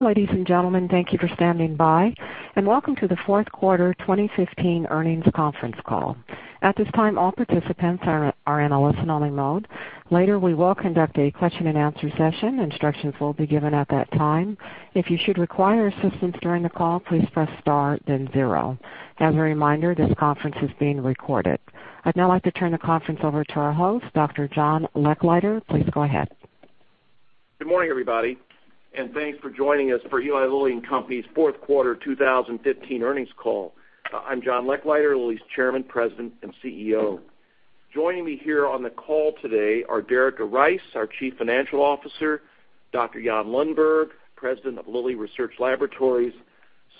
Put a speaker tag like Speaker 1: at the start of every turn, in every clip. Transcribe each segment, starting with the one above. Speaker 1: Ladies and gentlemen, thank you for standing by and welcome to the fourth quarter 2015 earnings conference call. At this time, all participants are in listen-only mode. Later, we will conduct a question-and-answer session. Instructions will be given at that time. If you should require assistance during the call, please press star then zero. As a reminder, this conference is being recorded. I'd now like to turn the conference over to our host, Dr. John Lechleiter. Please go ahead.
Speaker 2: Good morning, everybody. Thanks for joining us for Eli Lilly and Company's fourth quarter 2015 earnings call. I'm John Lechleiter, Lilly's Chairman, President, and CEO. Joining me here on the call today are Derica Rice, our Chief Financial Officer; Dr. Jan Lundberg, President of Lilly Research Laboratories;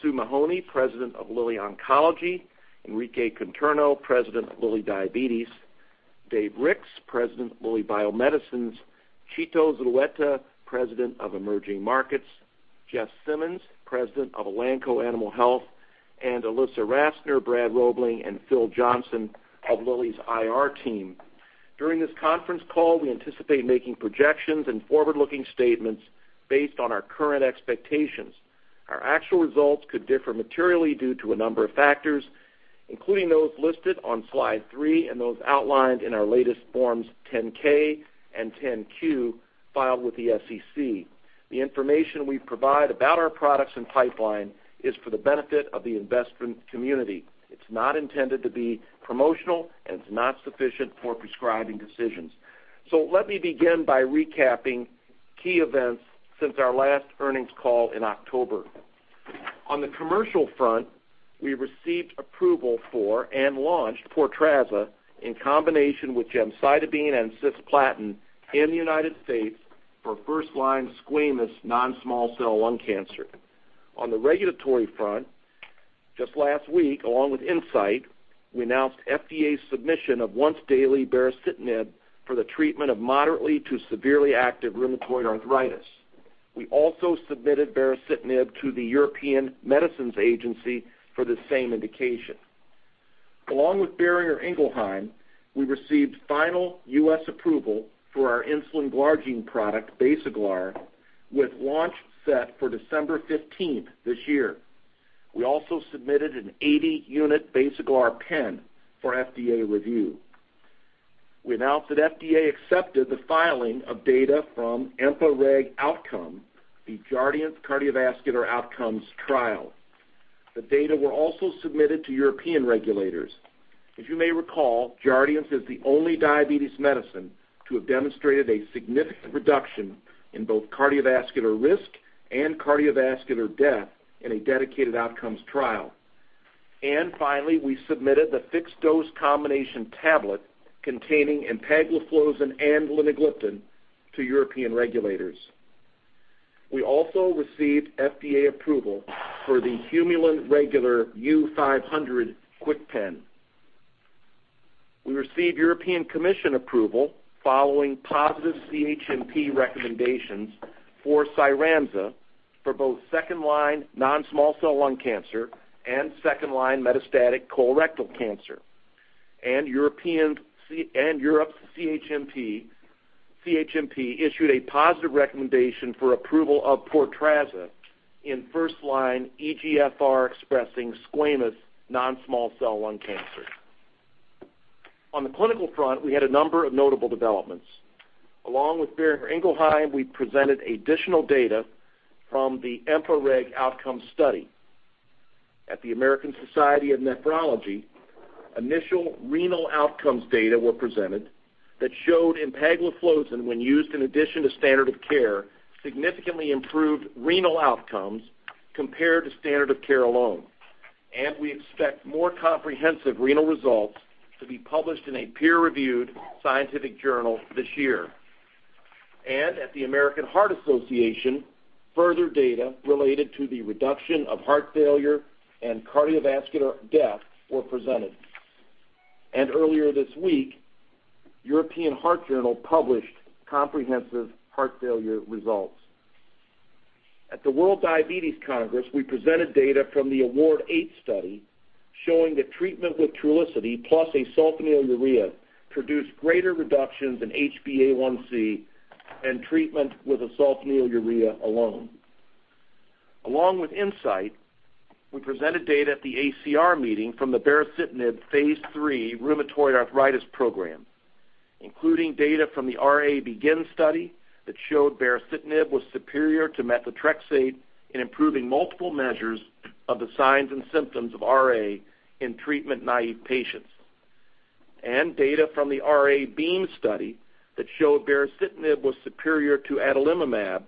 Speaker 2: Sue Mahony, President of Lilly Oncology; Enrique Conterno, President of Lilly Diabetes; Dave Ricks, President of Lilly Bio-Medicines; Chito Zulueta, President of Emerging Markets; Jeff Simmons, President of Elanco Animal Health; and Alyssa Rassner, Brad Robling, and Phil Johnson of Lilly's IR team. During this conference call, we anticipate making projections and forward-looking statements based on our current expectations. Our actual results could differ materially due to a number of factors, including those listed on slide three and those outlined in our latest forms 10-K and 10-Q filed with the SEC. The information we provide about our products and pipeline is for the benefit of the investment community. It's not intended to be promotional. It's not sufficient for prescribing decisions. Let me begin by recapping key events since our last earnings call in October. On the commercial front, we received approval for and launched Portrazza in combination with gemcitabine and cisplatin in the U.S. for first-line squamous non-small cell lung cancer. On the regulatory front, just last week, along with Incyte, we announced FDA submission of once-daily baricitinib for the treatment of moderately to severely active rheumatoid arthritis. We also submitted baricitinib to the European Medicines Agency for the same indication. Along with Boehringer Ingelheim, we received final U.S. approval for our insulin glargine product, Basaglar, with launch set for December 15th this year. We also submitted an 80-unit Basaglar pen for FDA review. We announced that FDA accepted the filing of data from EMPA-REG OUTCOME, the Jardiance cardiovascular outcomes trial. The data were also submitted to European regulators. As you may recall, Jardiance is the only diabetes medicine to have demonstrated a significant reduction in both cardiovascular risk and cardiovascular death in a dedicated outcomes trial. Finally, we submitted the fixed-dose combination tablet containing empagliflozin and linagliptin to European regulators. We also received FDA approval for the Humulin R U-500 KwikPen. We received European Commission approval following positive CHMP recommendations for CYRAMZA for both second-line non-small cell lung cancer and second-line metastatic colorectal cancer. Europe's CHMP issued a positive recommendation for approval of Portrazza in first-line EGFR-expressing squamous non-small cell lung cancer. On the clinical front, we had a number of notable developments. Along with Boehringer Ingelheim, we presented additional data from the EMPA-REG OUTCOME study. At the American Society of Nephrology, initial renal outcomes data were presented that showed empagliflozin, when used in addition to standard of care, significantly improved renal outcomes compared to standard of care alone. We expect more comprehensive renal results to be published in a peer-reviewed scientific journal this year. At the American Heart Association, further data related to the reduction of heart failure and cardiovascular death were presented. Earlier this week, European Heart Journal published comprehensive heart failure results. At the World Diabetes Congress, we presented data from the AWARD-8 study showing that treatment with Trulicity plus a sulfonylurea produced greater reductions in HbA1c and treatment with a sulfonylurea alone. Along with Incyte, we presented data at the ACR meeting from the baricitinib phase III rheumatoid arthritis program, including data from the RA BEGIN study that showed baricitinib was superior to methotrexate in improving multiple measures of the signs and symptoms of RA in treatment-naive patients. Data from the RA BEAM study that showed baricitinib was superior to adalimumab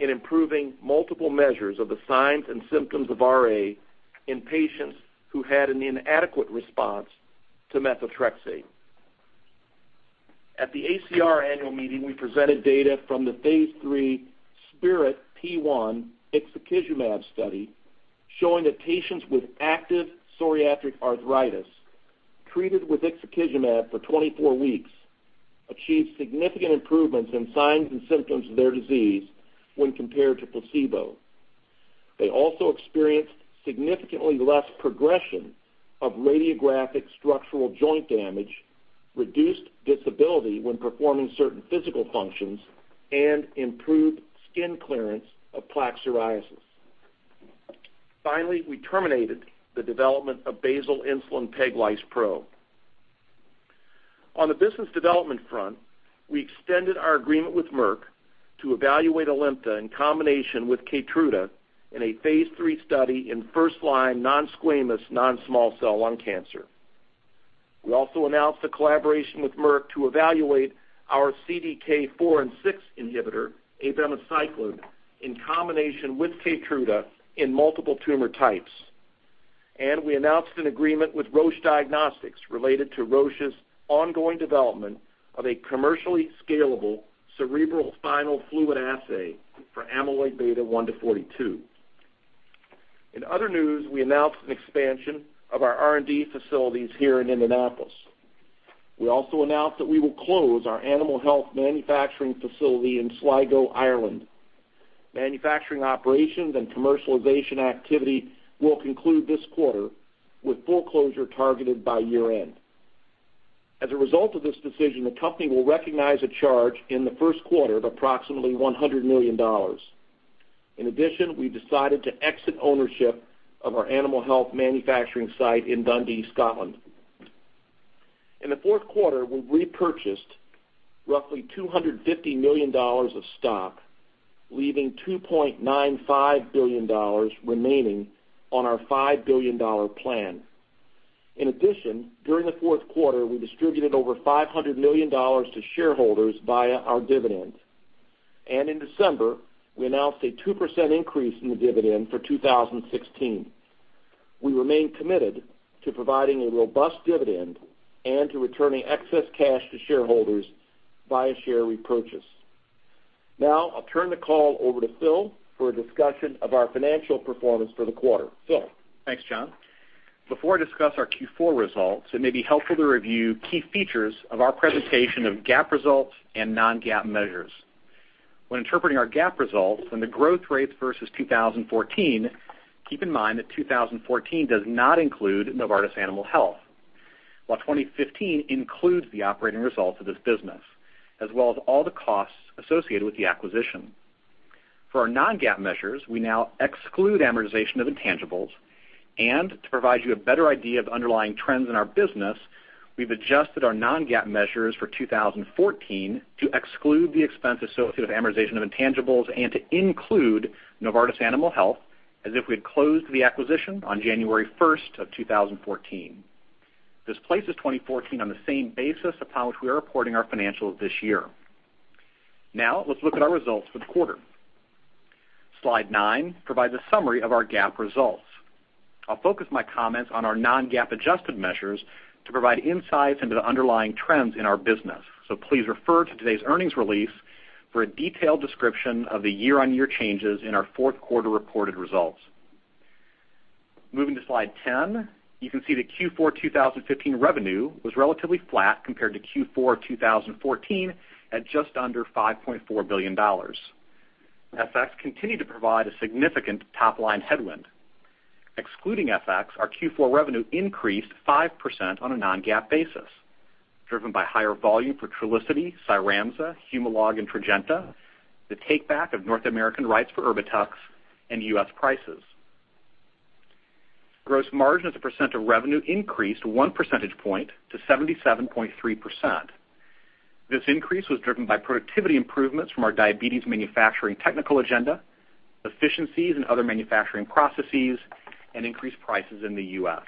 Speaker 2: in improving multiple measures of the signs and symptoms of RA in patients who had an inadequate response to methotrexate. At the ACR annual meeting, we presented data from the phase III SPIRIT-P1 ixekizumab study showing that patients with active psoriatic arthritis treated with ixekizumab for 24 weeks achieved significant improvements in signs and symptoms of their disease when compared to placebo. They also experienced significantly less progression of radiographic structural joint damage, reduced disability when performing certain physical functions, and improved skin clearance of plaque psoriasis. Finally, we terminated the development of basal insulin peglispro. On the business development front, we extended our agreement with Merck to evaluate ALIMTA in combination with KEYTRUDA in a phase III study in first-line non-squamous, non-small cell lung cancer. We also announced a collaboration with Merck to evaluate our CDK4 and 6 inhibitor, abemaciclib, in combination with KEYTRUDA in multiple tumor types. We announced an agreement with Roche Diagnostics related to Roche's ongoing development of a commercially scalable cerebral spinal fluid assay for amyloid beta 1-42. In other news, we announced an expansion of our R&D facilities here in Indianapolis. We also announced that we will close our animal health manufacturing facility in Sligo, Ireland. Manufacturing operations and commercialization activity will conclude this quarter, with full closure targeted by year-end. As a result of this decision, the company will recognize a charge in the first quarter of approximately $100 million. In addition, we decided to exit ownership of our animal health manufacturing site in Dundee, Scotland. In the fourth quarter, we repurchased roughly $250 million of stock, leaving $2.95 billion remaining on our $5 billion plan. In addition, during the fourth quarter, we distributed over $500 million to shareholders via our dividends. In December, we announced a 2% increase in the dividend for 2016. We remain committed to providing a robust dividend and to returning excess cash to shareholders via share repurchase. Now I'll turn the call over to Phil for a discussion of our financial performance for the quarter. Phil?
Speaker 3: Thanks, John. Before I discuss our Q4 results, it may be helpful to review key features of our presentation of GAAP results and non-GAAP measures. When interpreting our GAAP results and the growth rates versus 2014, keep in mind that 2014 does not include Novartis Animal Health, while 2015 includes the operating results of this business, as well as all the costs associated with the acquisition. For our non-GAAP measures, we now exclude amortization of intangibles. To provide you a better idea of underlying trends in our business, we've adjusted our non-GAAP measures for 2014 to exclude the expense associated with amortization of intangibles and to include Novartis Animal Health as if we had closed the acquisition on January 1st of 2014. This places 2014 on the same basis upon which we are reporting our financials this year. Let's look at our results for the quarter. Slide nine provides a summary of our GAAP results. I'll focus my comments on our non-GAAP adjusted measures to provide insights into the underlying trends in our business. Please refer to today's earnings release for a detailed description of the year-on-year changes in our fourth quarter reported results. Moving to slide 10, you can see that Q4 2015 revenue was relatively flat compared to Q4 2014 at just under $5.4 billion. FX continued to provide a significant top-line headwind. Excluding FX, our Q4 revenue increased 5% on a non-GAAP basis, driven by higher volume for Trulicity, CYRAMZA, Humalog, and TRADJENTA, the take-back of North American rights for ERBITUX and U.S. prices. Gross margin as a percent of revenue increased one percentage point to 77.3%. This increase was driven by productivity improvements from our diabetes manufacturing technical agenda, efficiencies in other manufacturing processes, and increased prices in the U.S.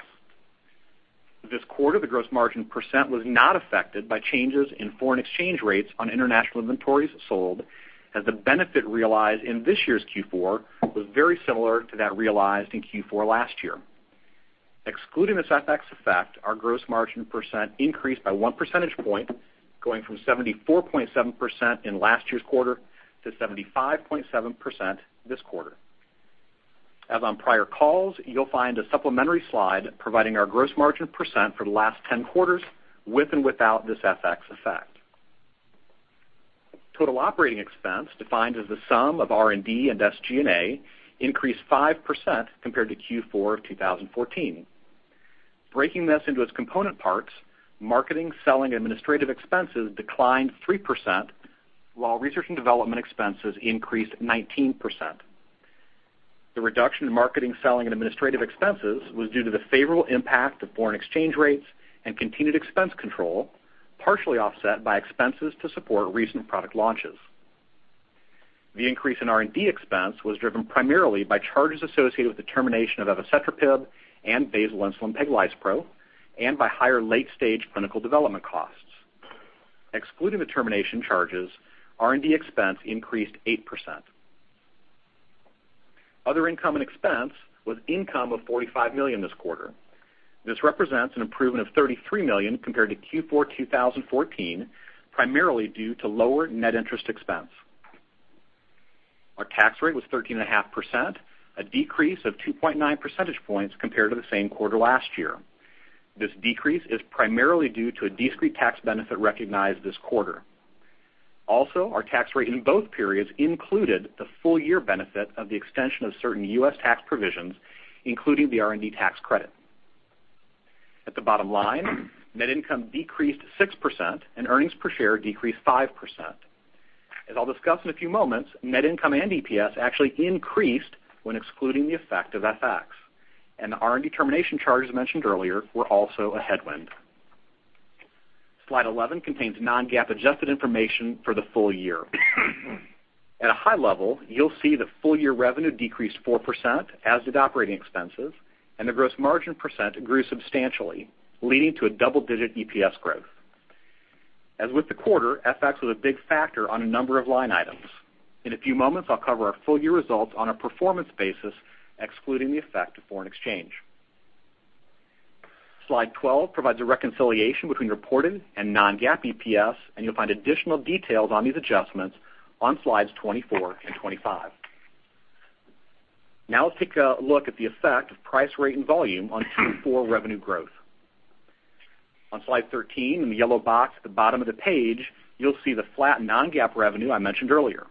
Speaker 3: This quarter, the gross margin percent was not affected by changes in foreign exchange rates on international inventories sold, as the benefit realized in this year's Q4 was very similar to that realized in Q4 last year. Excluding this FX effect, our gross margin percent increased by one percentage point, going from 74.7% in last year's quarter to 75.7% this quarter. As on prior calls, you'll find a supplementary slide providing our gross margin percent for the last 10 quarters with and without this FX effect. Total operating expense, defined as the sum of R&D and SG&A, increased 5% compared to Q4 of 2014. Breaking this into its component parts, marketing, selling, and administrative expenses declined 3%, while research and development expenses increased 19%. The reduction in marketing, selling, and administrative expenses was due to the favorable impact of foreign exchange rates and continued expense control, partially offset by expenses to support recent product launches. The increase in R&D expense was driven primarily by charges associated with the termination of evacetrapib and basal insulin peglispro, and by higher late-stage clinical development costs. Excluding the termination charges, R&D expense increased 8%. Other income and expense was income of $45 million this quarter. This represents an improvement of $33 million compared to Q4 2014, primarily due to lower net interest expense. Our tax rate was 13.5%, a decrease of 2.9 percentage points compared to the same quarter last year. This decrease is primarily due to a discrete tax benefit recognized this quarter. Our tax rate in both periods included the full year benefit of the extension of certain U.S. tax provisions, including the R&D tax credit. At the bottom line, net income decreased 6% and earnings per share decreased 5%. As I'll discuss in a few moments, net income and EPS actually increased when excluding the effect of FX. The R&D termination charges mentioned earlier were also a headwind. Slide 11 contains non-GAAP adjusted information for the full year. At a high level, you'll see the full year revenue decreased 4%, as did operating expenses, and the gross margin percent grew substantially, leading to a double-digit EPS growth. As with the quarter, FX was a big factor on a number of line items. In a few moments, I'll cover our full year results on a performance basis, excluding the effect of foreign exchange. Slide 12 provides a reconciliation between reported and non-GAAP EPS. You'll find additional details on these adjustments on slides 24 and 25. Let's take a look at the effect of price, rate, and volume on Q4 revenue growth. On slide 13, in the yellow box at the bottom of the page, you'll see the flat non-GAAP revenue I mentioned earlier.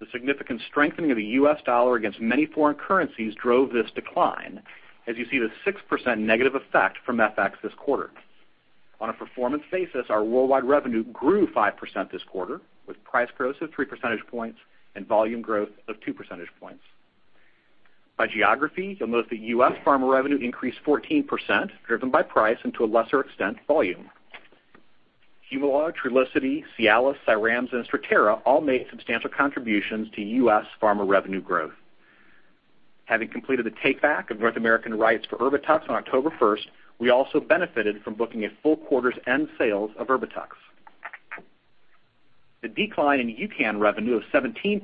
Speaker 3: The significant strengthening of the U.S. dollar against many foreign currencies drove this decline, as you see the 6% negative effect from FX this quarter. On a performance basis, our worldwide revenue grew 5% this quarter, with price growth of three percentage points and volume growth of two percentage points. By geography, you'll note that U.S. pharma revenue increased 14%, driven by price and to a lesser extent, volume. Humalog, Trulicity, Cialis, CYRAMZA, and Strattera all made substantial contributions to U.S. pharma revenue growth. Having completed the takeback of North American rights for ERBITUX on October 1st, we also benefited from booking a full quarter's end sales of ERBITUX. The decline in EUCAN revenue of 17%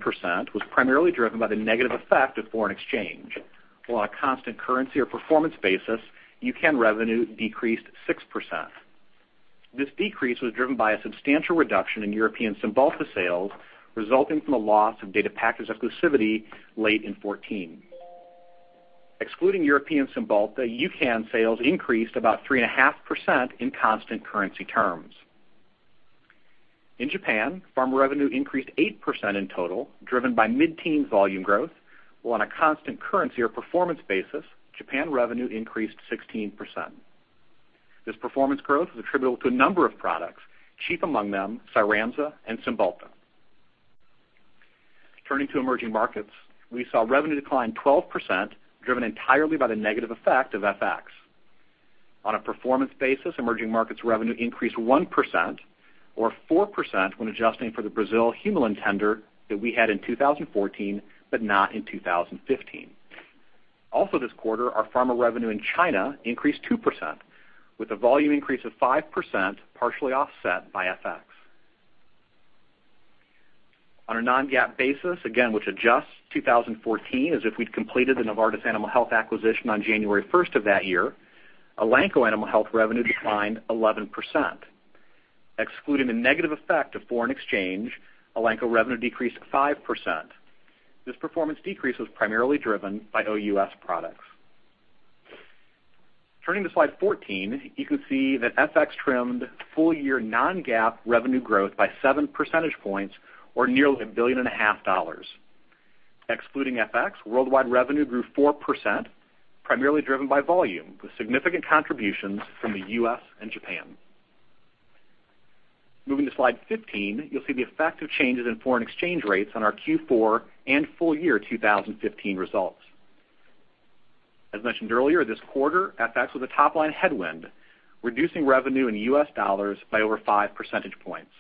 Speaker 3: was primarily driven by the negative effect of foreign exchange, while on a constant currency or performance basis, EUCAN revenue decreased 6%. This decrease was driven by a substantial reduction in European Cymbalta sales resulting from the loss of data package exclusivity late in 2014. Excluding European Cymbalta, EUCAN sales increased about 3.5% in constant currency terms. In Japan, pharma revenue increased 8% in total, driven by mid-teens volume growth, while on a constant currency or performance basis, Japan revenue increased 16%. This performance growth is attributable to a number of products, chief among them, CYRAMZA and Cymbalta. Turning to emerging markets, we saw revenue decline 12%, driven entirely by the negative effect of FX. On a performance basis, emerging markets revenue increased 1% or 4% when adjusting for the Brazil Humulin tender that we had in 2014, but not in 2015. This quarter, our pharma revenue in China increased 2%, with a volume increase of 5%, partially offset by FX. On a non-GAAP basis, again, which adjusts 2014 as if we'd completed the Novartis Animal Health acquisition on January 1st of that year, Elanco Animal Health revenue declined 11%. Excluding the negative effect of foreign exchange, Elanco revenue decreased 5%. This performance decrease was primarily driven by OUS products. Turning to slide 14, you can see that FX trimmed full year non-GAAP revenue growth by seven percentage points or nearly $1.5 billion. Excluding FX, worldwide revenue grew 4%, primarily driven by volume, with significant contributions from the U.S. and Japan. Moving to slide 15, you'll see the effect of changes in foreign exchange rates on our Q4 and full year 2015 results. As mentioned earlier this quarter, FX was a top-line headwind, reducing revenue in US dollars by over 5 percentage points.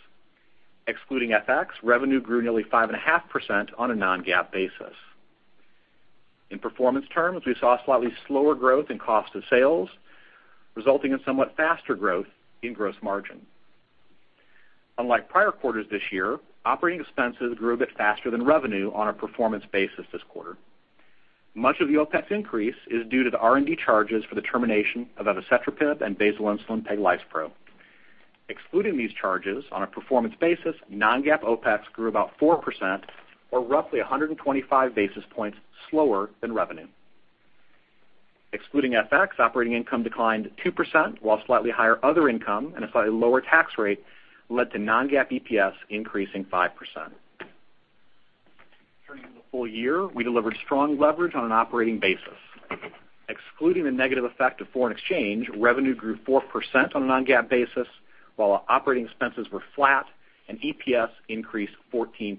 Speaker 3: Excluding FX, revenue grew nearly 5.5% on a non-GAAP basis. In performance terms, we saw slightly slower growth in cost of sales, resulting in somewhat faster growth in gross margin. Unlike prior quarters this year, operating expenses grew a bit faster than revenue on a performance basis this quarter. Much of the OPEX increase is due to the R&D charges for the termination of evacetrapib and basal insulin peglispro. Excluding these charges, on a performance basis, non-GAAP OPEX grew about 4% or roughly 125 basis points slower than revenue. Excluding FX, operating income declined 2%, while slightly higher other income and a slightly lower tax rate led to non-GAAP EPS increasing 5%. Turning to the full year, we delivered strong leverage on an operating basis. Excluding the negative effect of foreign exchange, revenue grew 4% on a non-GAAP basis while our operating expenses were flat and EPS increased 14%.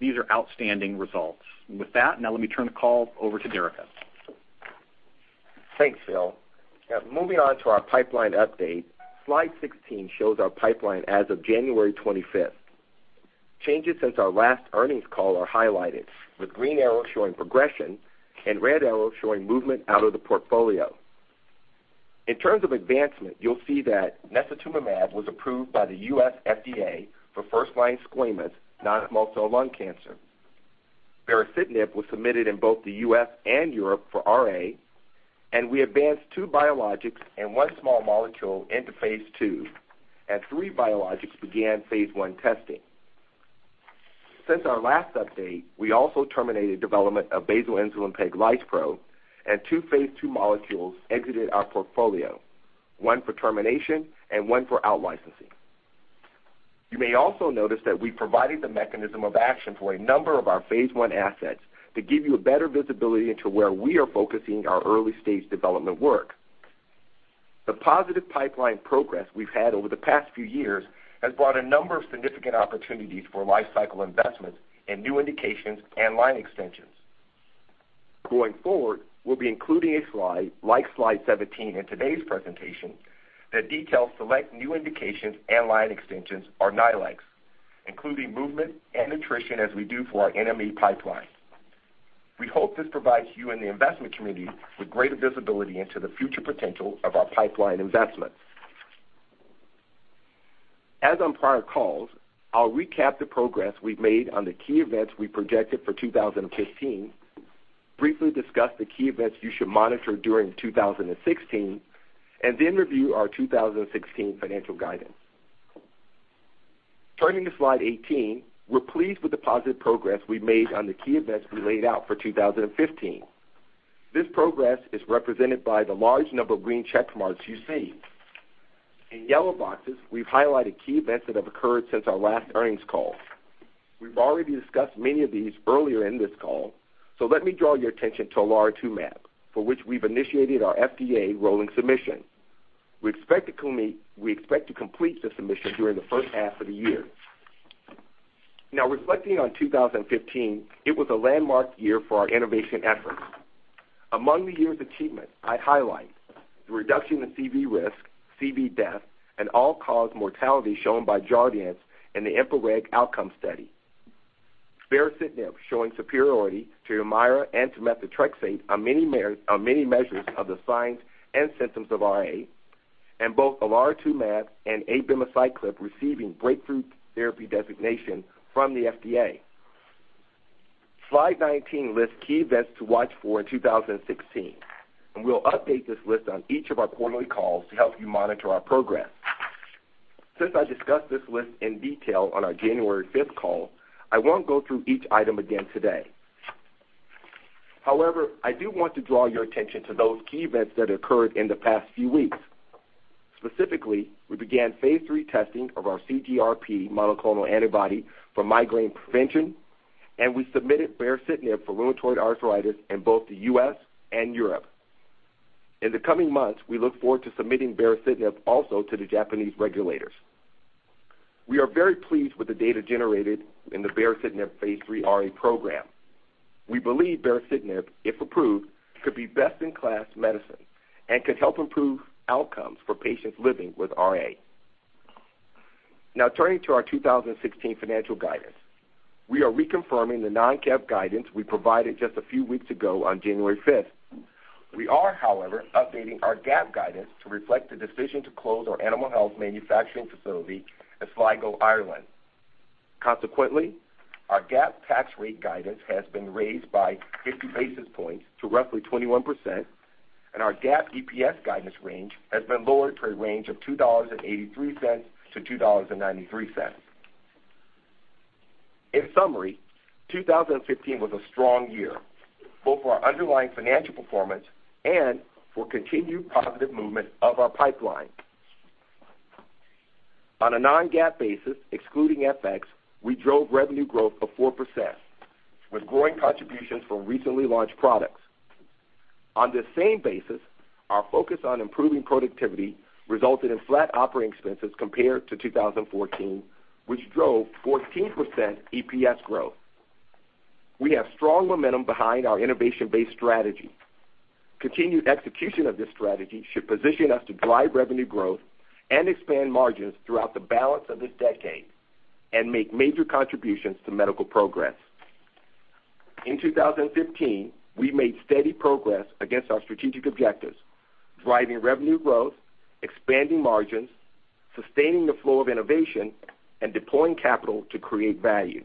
Speaker 3: These are outstanding results. With that, now let me turn the call over to Derica.
Speaker 4: Thanks, Phil. Now moving on to our pipeline update. Slide 16 shows our pipeline as of January 25th. Changes since our last earnings call are highlighted with green arrows showing progression and red arrows showing movement out of the portfolio. In terms of advancement, you'll see that necitumumab was approved by the U.S. FDA for first-line squamous non-small cell lung cancer. baricitinib was submitted in both the U.S. and Europe for RA, and we advanced two biologics and one small molecule into phase II, and three biologics began phase I testing. Since our last update, we also terminated development of basal insulin peglispro and two phase II molecules exited our portfolio, one for termination and one for out-licensing. You may also notice that we provided the mechanism of action for a number of our phase I assets to give you a better visibility into where we are focusing our early-stage development work. The positive pipeline progress we've had over the past few years has brought a number of significant opportunities for life cycle investments in new indications and line extensions. Going forward, we'll be including a slide, like slide 17 in today's presentation, that details select new indications and line extensions or NILEs, including movement and nutrition as we do for our NME pipeline. We hope this provides you and the investment community with greater visibility into the future potential of our pipeline investments. As on prior calls, I'll recap the progress we've made on the key events we projected for 2015, briefly discuss the key events you should monitor during 2016, and then review our 2016 financial guidance. Turning to slide 18, we're pleased with the positive progress we've made on the key events we laid out for 2015. This progress is represented by the large number of green check marks you see. In yellow boxes, we've highlighted key events that have occurred since our last earnings call. We've already discussed many of these earlier in this call, so let me draw your attention to olaratumab, for which we've initiated our FDA rolling submission. We expect to complete the submission during the first half of the year. Reflecting on 2015, it was a landmark year for our innovation efforts. Among the year's achievements, I highlight the reduction in CV risk, CV death, and all-cause mortality shown by Jardiance in the EMPA-REG OUTCOME study. Baricitinib showing superiority to HUMIRA and to methotrexate on many measures of the signs and symptoms of RA. Both olaratumab and abemaciclib receiving breakthrough therapy designation from the FDA. Slide 19 lists key events to watch for in 2016, and we'll update this list on each of our quarterly calls to help you monitor our progress. Since I discussed this list in detail on our January 5th call, I won't go through each item again today. However, I do want to draw your attention to those key events that occurred in the past few weeks. Specifically, we began phase III testing of our CGRP monoclonal antibody for migraine prevention, and we submitted baricitinib for rheumatoid arthritis in both the U.S. and Europe. In the coming months, we look forward to submitting baricitinib also to the Japanese regulators. We are very pleased with the data generated in the baricitinib phase III RA program. We believe baricitinib, if approved, could be best-in-class medicine and could help improve outcomes for patients living with RA. Turning to our 2016 financial guidance. We are reconfirming the non-GAAP guidance we provided just a few weeks ago on January 5th. We are, however, updating our GAAP guidance to reflect the decision to close our animal health manufacturing facility in Sligo, Ireland. Consequently, our GAAP tax rate guidance has been raised by 50 basis points to roughly 21%, and our GAAP EPS guidance range has been lowered to a range of $2.83-$2.93. In summary, 2015 was a strong year, both for our underlying financial performance and for continued positive movement of our pipeline. On a non-GAAP basis, excluding FX, we drove revenue growth of 4%, with growing contributions from recently launched products. On this same basis, our focus on improving productivity resulted in flat operating expenses compared to 2014, which drove 14% EPS growth. We have strong momentum behind our innovation-based strategy. Continued execution of this strategy should position us to drive revenue growth and expand margins throughout the balance of this decade and make major contributions to medical progress. In 2015, we made steady progress against our strategic objectives, driving revenue growth, expanding margins, sustaining the flow of innovation, and deploying capital to create value.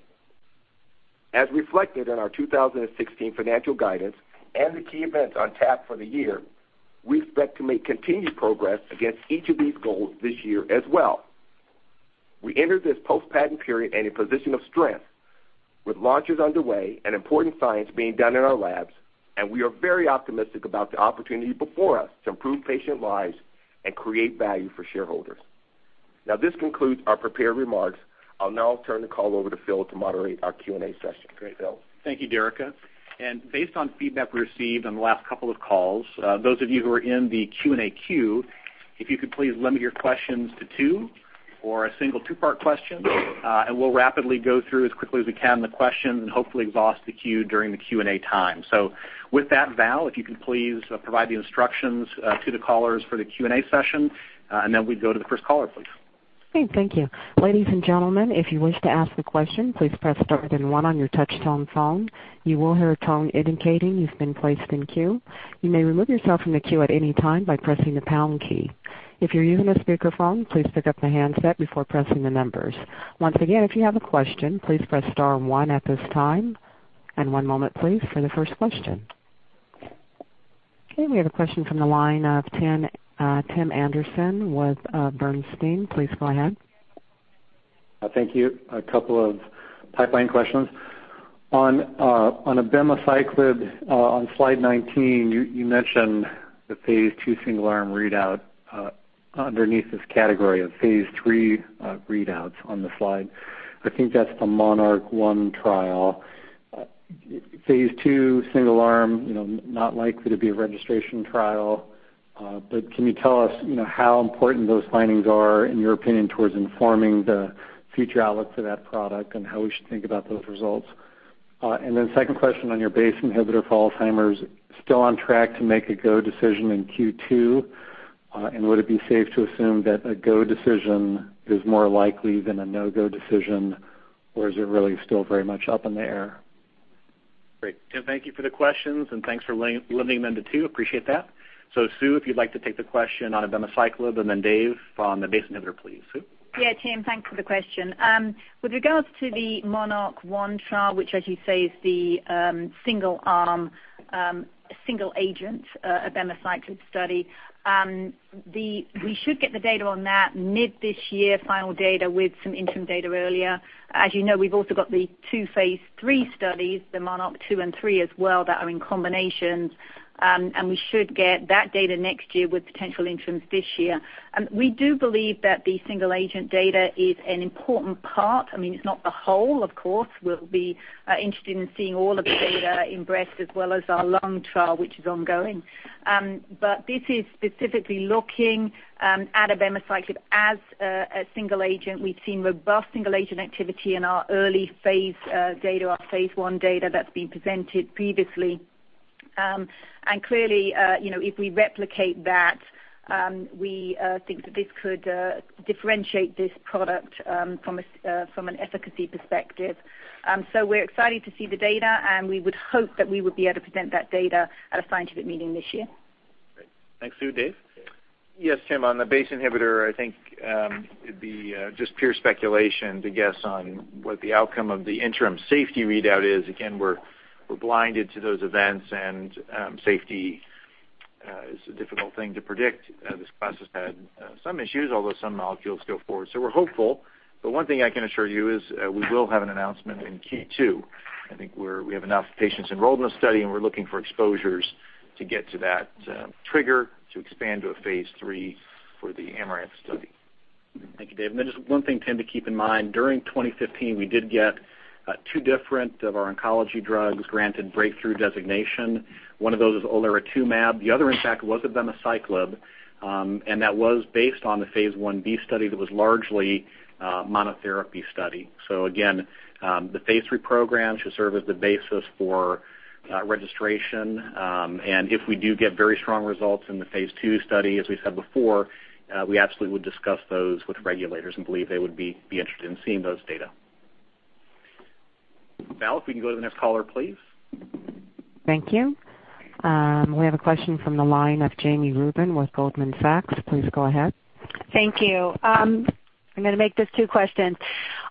Speaker 4: As reflected in our 2016 financial guidance and the key events on tap for the year, we expect to make continued progress against each of these goals this year as well. We enter this post-patent period in a position of strength, with launches underway and important science being done in our labs, and we are very optimistic about the opportunity before us to improve patient lives and create value for shareholders. This concludes our prepared remarks. I'll now turn the call over to Phil to moderate our Q&A session. Go ahead, Phil.
Speaker 3: Thank you, Derica. Based on feedback we received on the last couple of calls, those of you who are in the Q&A queue, if you could please limit your questions to two or a single two-part question, we'll rapidly go through as quickly as we can the questions and hopefully exhaust the queue during the Q&A time. With that, Val, if you can please provide the instructions to the callers for the Q&A session, we go to the first caller, please.
Speaker 1: Okay. Thank you. Ladies and gentlemen, if you wish to ask a question, please press star then one on your touchtone phone. You will hear a tone indicating you've been placed in queue. You may remove yourself from the queue at any time by pressing the pound key. If you're using a speakerphone, please pick up the handset before pressing the numbers. Once again, if you have a question, please press star and one at this time. One moment, please, for the first question. Okay, we have a question from the line of Tim Anderson with Bernstein. Please go ahead.
Speaker 5: Thank you. A couple of pipeline questions. On abemaciclib, on slide 19, you mentioned the phase II single arm readout underneath this category of phase III readouts on the slide. I think that's the MONARCH 1 trial. Phase II single arm, not likely to be a registration trial. Can you tell us, how important those findings are in your opinion towards informing the future outlook for that product and how we should think about those results? Second question on your BACE inhibitor for Alzheimer's, still on track to make a go decision in Q2, would it be safe to assume that a go decision is more likely than a no-go decision, or is it really still very much up in the air?
Speaker 3: Great. Tim, thank you for the questions and thanks for lending them to two, appreciate that. Sue, if you'd like to take the question on abemaciclib and Dave on the BACE inhibitor, please. Sue?
Speaker 6: Tim, thanks for the question. With regards to the MONARCH-1 trial, which as you say, is the single arm, single agent, abemaciclib study. We should get the data on that mid this year, final data with some interim data earlier. As you know, we've also got the two phase III studies, the MONARCH 2 and MONARCH 3 as well, that are in combinations. We should get that data next year with potential interims this year. We do believe that the single agent data is an important part. It's not the whole, of course. We'll be interested in seeing all of the data in breast as well as our lung trial, which is ongoing. This is specifically looking at abemaciclib as a single agent. We've seen robust single agent activity in our early phase data, our phase I data that's been presented previously. Clearly, if we replicate that, we think that this could differentiate this product from an efficacy perspective. We're excited to see the data, we would hope that we would be able to present that data at a scientific meeting this year.
Speaker 3: Great. Thanks, Sue. Dave?
Speaker 7: Yes, Tim, on the BACE inhibitor, I think, it'd be just pure speculation to guess on what the outcome of the interim safety readout is. Again, we're blinded to those events and safety is a difficult thing to predict. This class has had some issues, although some molecules go forward. We're hopeful, one thing I can assure you is we will have an announcement in Q2. I think we have enough patients enrolled in the study, we're looking for exposures to get to that trigger to expand to a phase III for the AMARANTH study.
Speaker 3: Thank you, Dave. Just one thing, Tim, to keep in mind, during 2015, we did get two different of our oncology drugs granted breakthrough designation. One of those is olaratumab. The other, in fact, was abemaciclib, and that was based on the phase I-B study that was largely a monotherapy study. Again, the phase III program should serve as the basis for registration. If we do get very strong results in the phase II study, as we've said before, we absolutely would discuss those with regulators and believe they would be interested in seeing those data. Val, if we can go to the next caller, please.
Speaker 1: Thank you. We have a question from the line of Jami Rubin with Goldman Sachs. Please go ahead.
Speaker 8: Thank you. I'm going to make this two questions.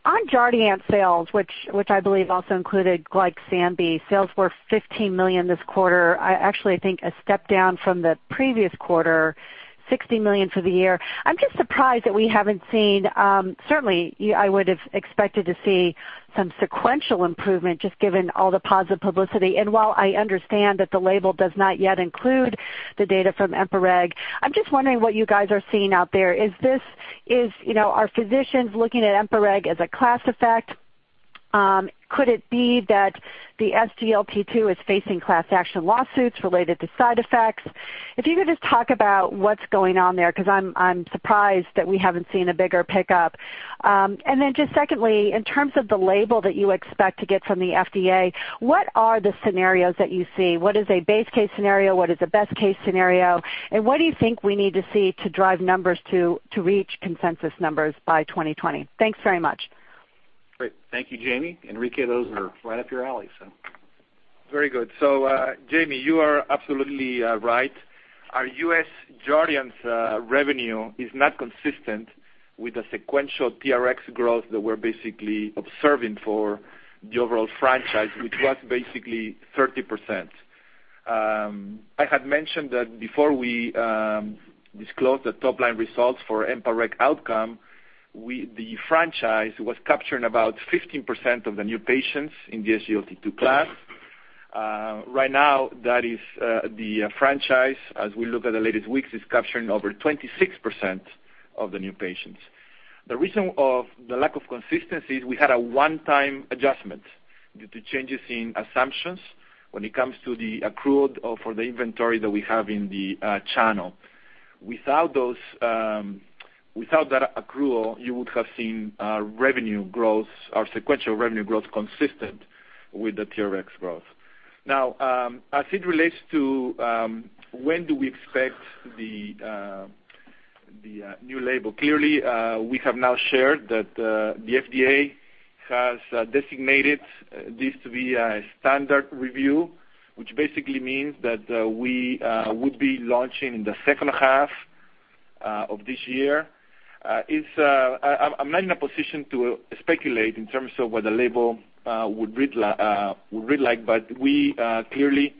Speaker 8: On Jardiance sales, which I believe also included Glyxambi, sales were $15 million this quarter. I actually think a step down from the previous quarter, $60 million for the year. I'm just surprised that we haven't seen, certainly, I would have expected to see some sequential improvement just given all the positive publicity. While I understand that the label does not yet include the data from EMPA-REG, I'm just wondering what you guys are seeing out there. Are physicians looking at EMPA-REG as a class effect? Could it be that the SGLT2 is facing class action lawsuits related to side effects? If you could just talk about what's going on there, because I'm surprised that we haven't seen a bigger pickup. Just secondly, in terms of the label that you expect to get from the FDA, what are the scenarios that you see? What is a base case scenario? What is a best case scenario? What do you think we need to see to drive numbers to reach consensus numbers by 2020? Thanks very much.
Speaker 3: Great. Thank you, Jami. Enrique, those are right up your alley.
Speaker 9: Very good. Jami, you are absolutely right. Our U.S. Jardiance revenue is not consistent with the sequential TRx growth that we're basically observing for the overall franchise, which was basically 30%. I had mentioned that before we disclosed the top-line results for EMPA-REG OUTCOME, the franchise was capturing about 15% of the new patients in the SGLT2 class. Right now that is the franchise, as we look at the latest weeks, is capturing over 26% of the new patients. The reason of the lack of consistency is we had a one-time adjustment due to changes in assumptions when it comes to the accrued for the inventory that we have in the channel. Without that accrual, you would have seen our revenue growth or sequential revenue growth consistent with the TRx growth. Clearly, we have now shared that the FDA has designated this to be a standard review, which basically means that we would be launching in the second half of this year. I'm not in a position to speculate in terms of what the label would read like, but we clearly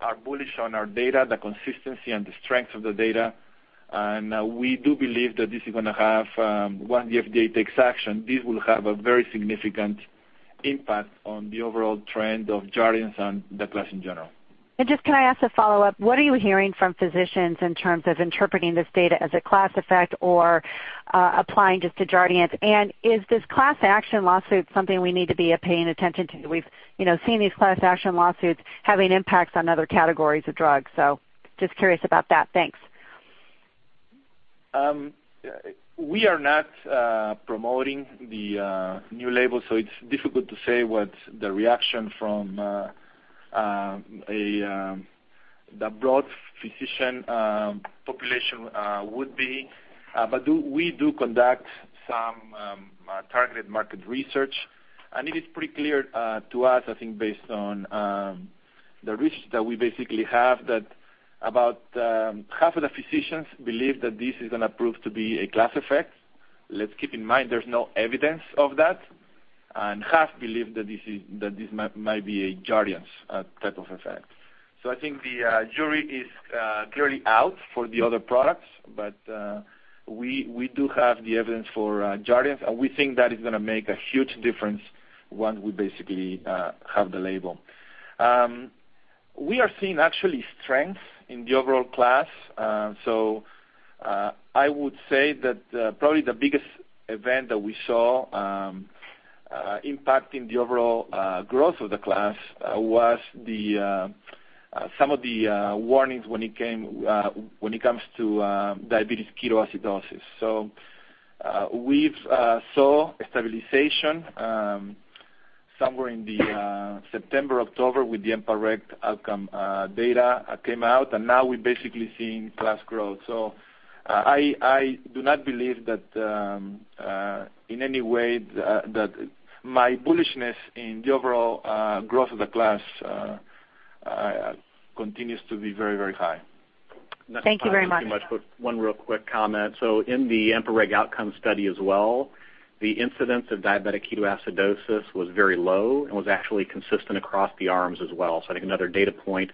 Speaker 9: are bullish on our data, the consistency and the strength of the data. We do believe that this is going to have, once the FDA takes action, this will have a very significant impact on the overall trend of Jardiance and the class in general.
Speaker 8: Just can I ask a follow-up? What are you hearing from physicians in terms of interpreting this data as a class effect or applying just to Jardiance? Is this class action lawsuit something we need to be paying attention to? We've seen these class action lawsuits having impacts on other categories of drugs. Just curious about that. Thanks.
Speaker 9: We are not promoting the new label, so it's difficult to say what the reaction from the broad physician population would be. We do conduct some targeted market research, and it is pretty clear to us, I think based on the research that we basically have, that about half of the physicians believe that this is going to prove to be a class effect. Let's keep in mind there's no evidence of that. Half believe that this might be a Jardiance type of effect. I think the jury is clearly out for the other products, but we do have the evidence for Jardiance, and we think that is going to make a huge difference once we basically have the label. We are seeing actually strength in the overall class. I would say that probably the biggest event that we saw impacting the overall growth of the class was some of the warnings when it comes to diabetic ketoacidosis. We've saw stabilization somewhere in the September, October with the EMPA-REG OUTCOME data came out, and now we're basically seeing class growth. I do not believe that in any way that my bullishness in the overall growth of the class continues to be very high.
Speaker 8: Thank you very much.
Speaker 3: One real quick comment. In the EMPA-REG OUTCOME study as well, the incidence of diabetic ketoacidosis was very low and was actually consistent across the arms as well. I think another data point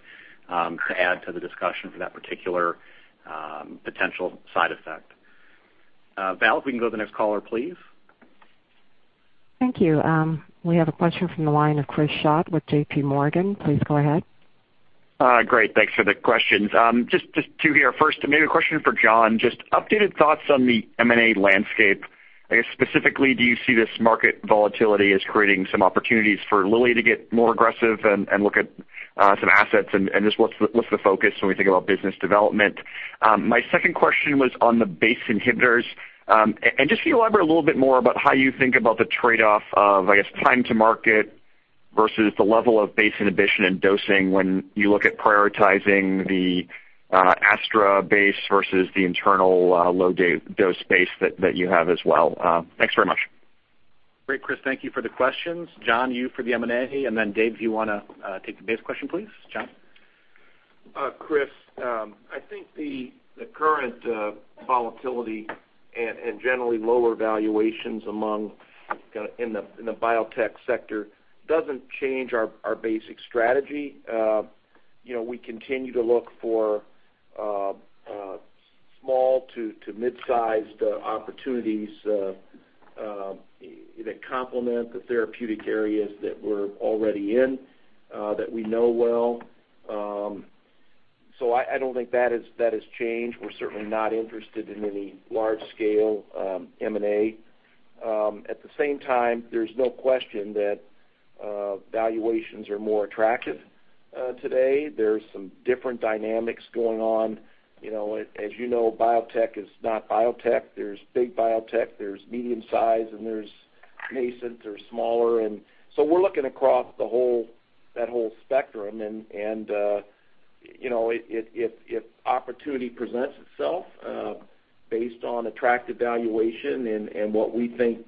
Speaker 3: to add to the discussion for that particular potential side effect. Val, if we can go to the next caller, please.
Speaker 1: Thank you. We have a question from the line of Christopher Schott with J.P. Morgan. Please go ahead.
Speaker 10: Great. Thanks for the questions. Just two here. First, maybe a question for John. Just updated thoughts on the M&A landscape. I guess specifically, do you see this market volatility as creating some opportunities for Lilly to get more aggressive and look at some assets? Just what's the focus when we think about business development? My second question was on the BACE inhibitors. Just can you elaborate a little bit more about how you think about the trade-off of, I guess, time to market versus the level of BACE inhibition and dosing when you look at prioritizing the Astra BACE versus the internal low-dose BACE that you have as well? Thanks very much.
Speaker 3: Great, Chris. Thank you for the questions. John, you for the M&A. Dave, if you want to take the BACE question, please. John?
Speaker 2: Chris, I think the current volatility and generally lower valuations in the biotech sector doesn't change our basic strategy. We continue to look for small to mid-sized opportunities that complement the therapeutic areas that we're already in, that we know well. I don't think that has changed. We're certainly not interested in any large-scale M&A. At the same time, there's no question that valuations are more attractive today. There's some different dynamics going on. As you know, biotech is not biotech. There's big biotech, there's medium size, and there's nascent or smaller. We're looking across that whole spectrum, and if opportunity presents itself based on attractive valuation and what we think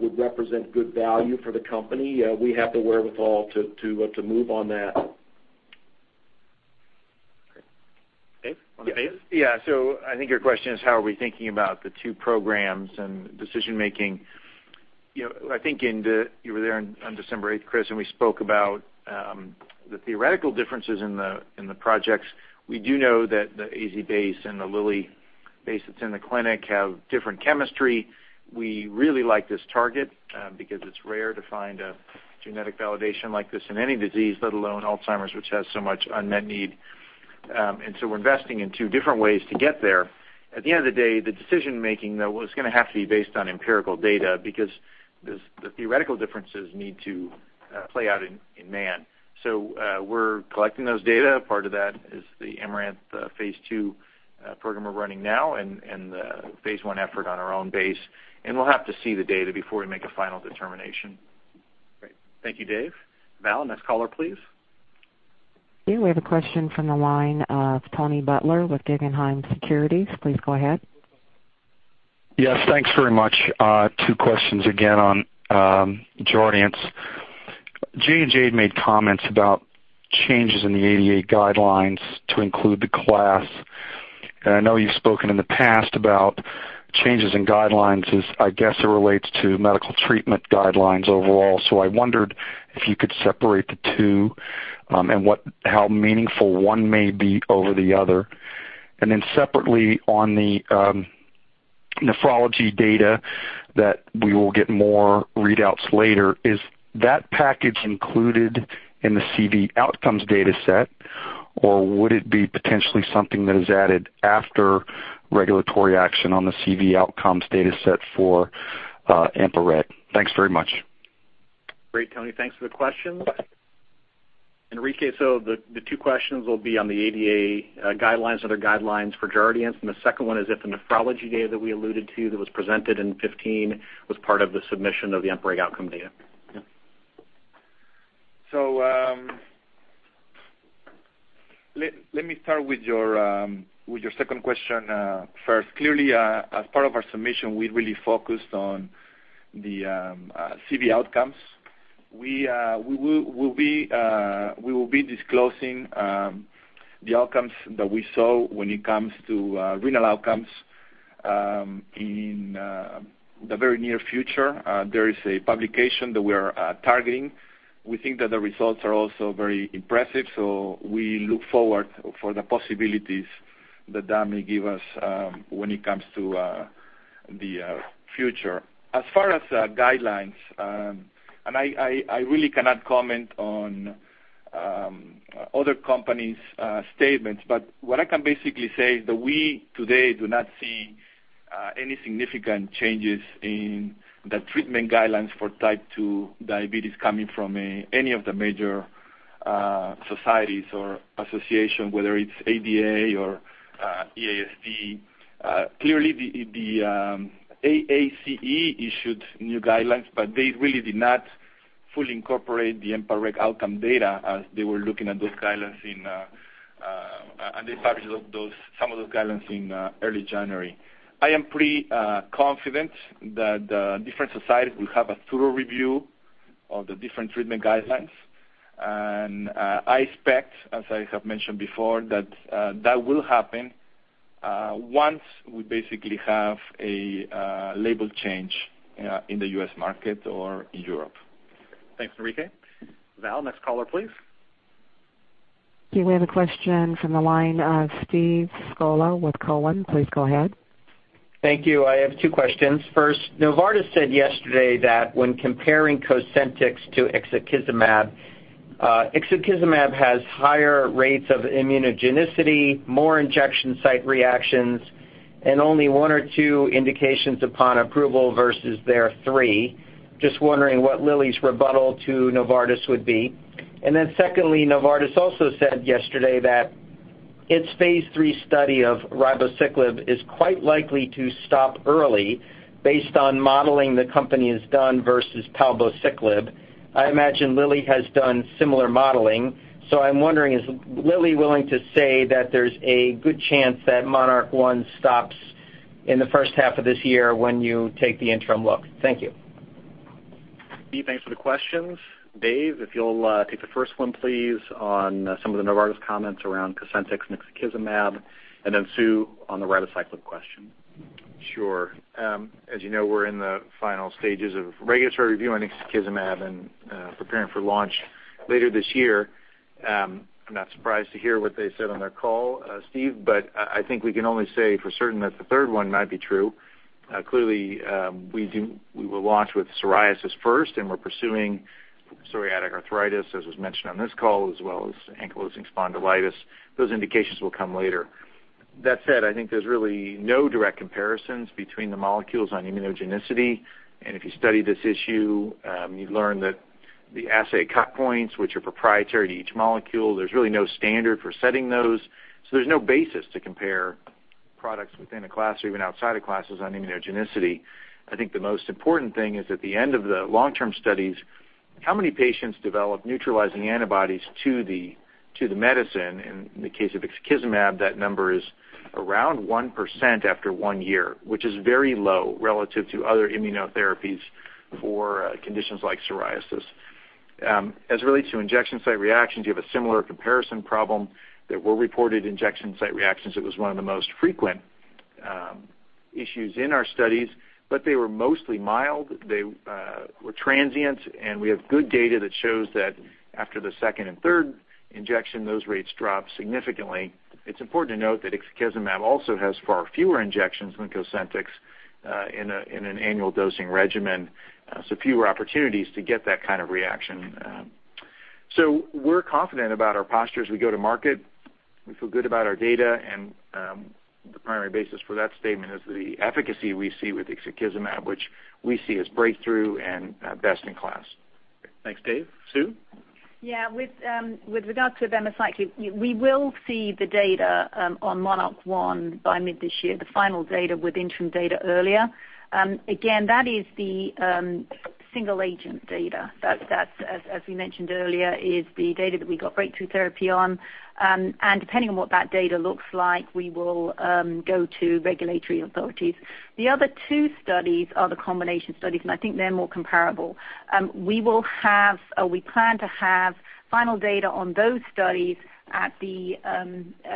Speaker 2: would represent good value for the company, we have the wherewithal to move on that.
Speaker 3: Dave, want to BACE?
Speaker 7: I think your question is how are we thinking about the two programs and decision-making. I think you were there on December 8th, Chris, and we spoke about the theoretical differences in the projects. We do know that the AZ BACE and the Lilly BACE that's in the clinic have different chemistry. We really like this target because it's rare to find a genetic validation like this in any disease, let alone Alzheimer's, which has so much unmet need. We're investing in two different ways to get there. At the end of the day, the decision-making, though, is going to have to be based on empirical data because the theoretical differences need to play out in man. We're collecting those data. Part of that is the AMARANTH Phase II program we're running now and the Phase I effort on our own BACE. We'll have to see the data before we make a final determination.
Speaker 3: Great. Thank you, Dave. Val, next caller, please.
Speaker 1: We have a question from the line of Charles Butler with Guggenheim Securities. Please go ahead.
Speaker 11: Thanks very much. Two questions again on Jardiance. J&J made comments about changes in the ADA guidelines to include the class, I know you've spoken in the past about changes in guidelines as, I guess, it relates to medical treatment guidelines overall. I wondered if you could separate the two, and how meaningful one may be over the other. Then separately on the nephrology data that we will get more readouts later, is that package included in the CV outcomes data set, or would it be potentially something that is added after regulatory action on the CV outcomes data set for empagliflozin? Thanks very much.
Speaker 3: Great, Tony. Thanks for the questions. Enrique, the two questions will be on the ADA guidelines, other guidelines for Jardiance, and the second one is if the nephrology data that we alluded to that was presented in 2015 was part of the submission of the EMPA-REG OUTCOME data. Yeah.
Speaker 9: Let me start with your second question first. Clearly, as part of our submission, we really focused on the CV outcomes. We will be disclosing the outcomes that we saw when it comes to renal outcomes in the very near future. There is a publication that we are targeting. We think that the results are also very impressive, we look forward for the possibilities that may give us when it comes to the future. As far as guidelines, I really cannot comment on other companies' statements, what I can basically say is that we today do not see any significant changes in the treatment guidelines for type 2 diabetes coming from any of the major societies or association, whether it's ADA or EASD. Clearly, the AACE issued new guidelines, they really did not fully incorporate the EMPA-REG OUTCOME data as they were looking at those guidelines, and they published some of those guidelines in early January. I am pretty confident that the different societies will have a thorough review of the different treatment guidelines. I expect, as I have mentioned before, that will happen once we basically have a label change in the U.S. market or in Europe.
Speaker 3: Thanks, Enrique. Val, next caller, please.
Speaker 1: Okay, we have a question from the line of Steve Scala with Cowen. Please go ahead.
Speaker 12: Thank you. I have two questions. First, Novartis said yesterday that when comparing COSENTYX to ixekizumab has higher rates of immunogenicity, more injection site reactions, and only one or two indications upon approval versus their three. Just wondering what Lilly's rebuttal to Novartis would be. Secondly, Novartis also said yesterday that its phase III study of ribociclib is quite likely to stop early based on modeling the company has done versus palbociclib. I imagine Lilly has done similar modeling. I'm wondering, is Lilly willing to say that there's a good chance that MONARCH 1 stops in the first half of this year when you take the interim look? Thank you.
Speaker 3: Steve, thanks for the questions. Dave, if you'll take the first one, please, on some of the Novartis comments around COSENTYX and ixekizumab. Sue on the ribociclib question.
Speaker 7: Sure. As you know, we're in the final stages of regulatory review on ixekizumab and preparing for launch later this year. I'm not surprised to hear what they said on their call, Steve. I think we can only say for certain that the third one might be true. Clearly, we will launch with psoriasis first, and we're pursuing psoriatic arthritis, as was mentioned on this call, as well as ankylosing spondylitis. Those indications will come later. That said, I think there's really no direct comparisons between the molecules on immunogenicity. If you study this issue, you learn that the assay cut points, which are proprietary to each molecule, there's really no standard for setting those. There's no basis to compare products within a class or even outside of classes on immunogenicity. I think the most important thing is at the end of the long-term studies, how many patients develop neutralizing antibodies to the medicine. In the case of ixekizumab, that number is around 1% after one year, which is very low relative to other immunotherapies for conditions like psoriasis. As it relates to injection site reactions, you have a similar comparison problem that were reported injection site reactions, it was one of the most frequent issues in our studies, but they were mostly mild. They were transient. We have good data that shows that after the second and third injection, those rates drop significantly. It's important to note that ixekizumab also has far fewer injections than COSENTYX in an annual dosing regimen, so fewer opportunities to get that kind of reaction. We're confident about our posture as we go to market. We feel good about our data. The primary basis for that statement is the efficacy we see with ixekizumab, which we see as breakthrough and best in class.
Speaker 3: Thanks, Dave. Sue?
Speaker 6: Yeah. With regard to ribociclib, we will see the data on MONARCH 1 by mid this year, the final data with interim data earlier. Again, that is the single agent data. That, as we mentioned earlier, is the data that we got breakthrough therapy on. Depending on what that data looks like, we will go to regulatory authorities. The other two studies are the combination studies. I think they're more comparable. We plan to have final data on those studies at the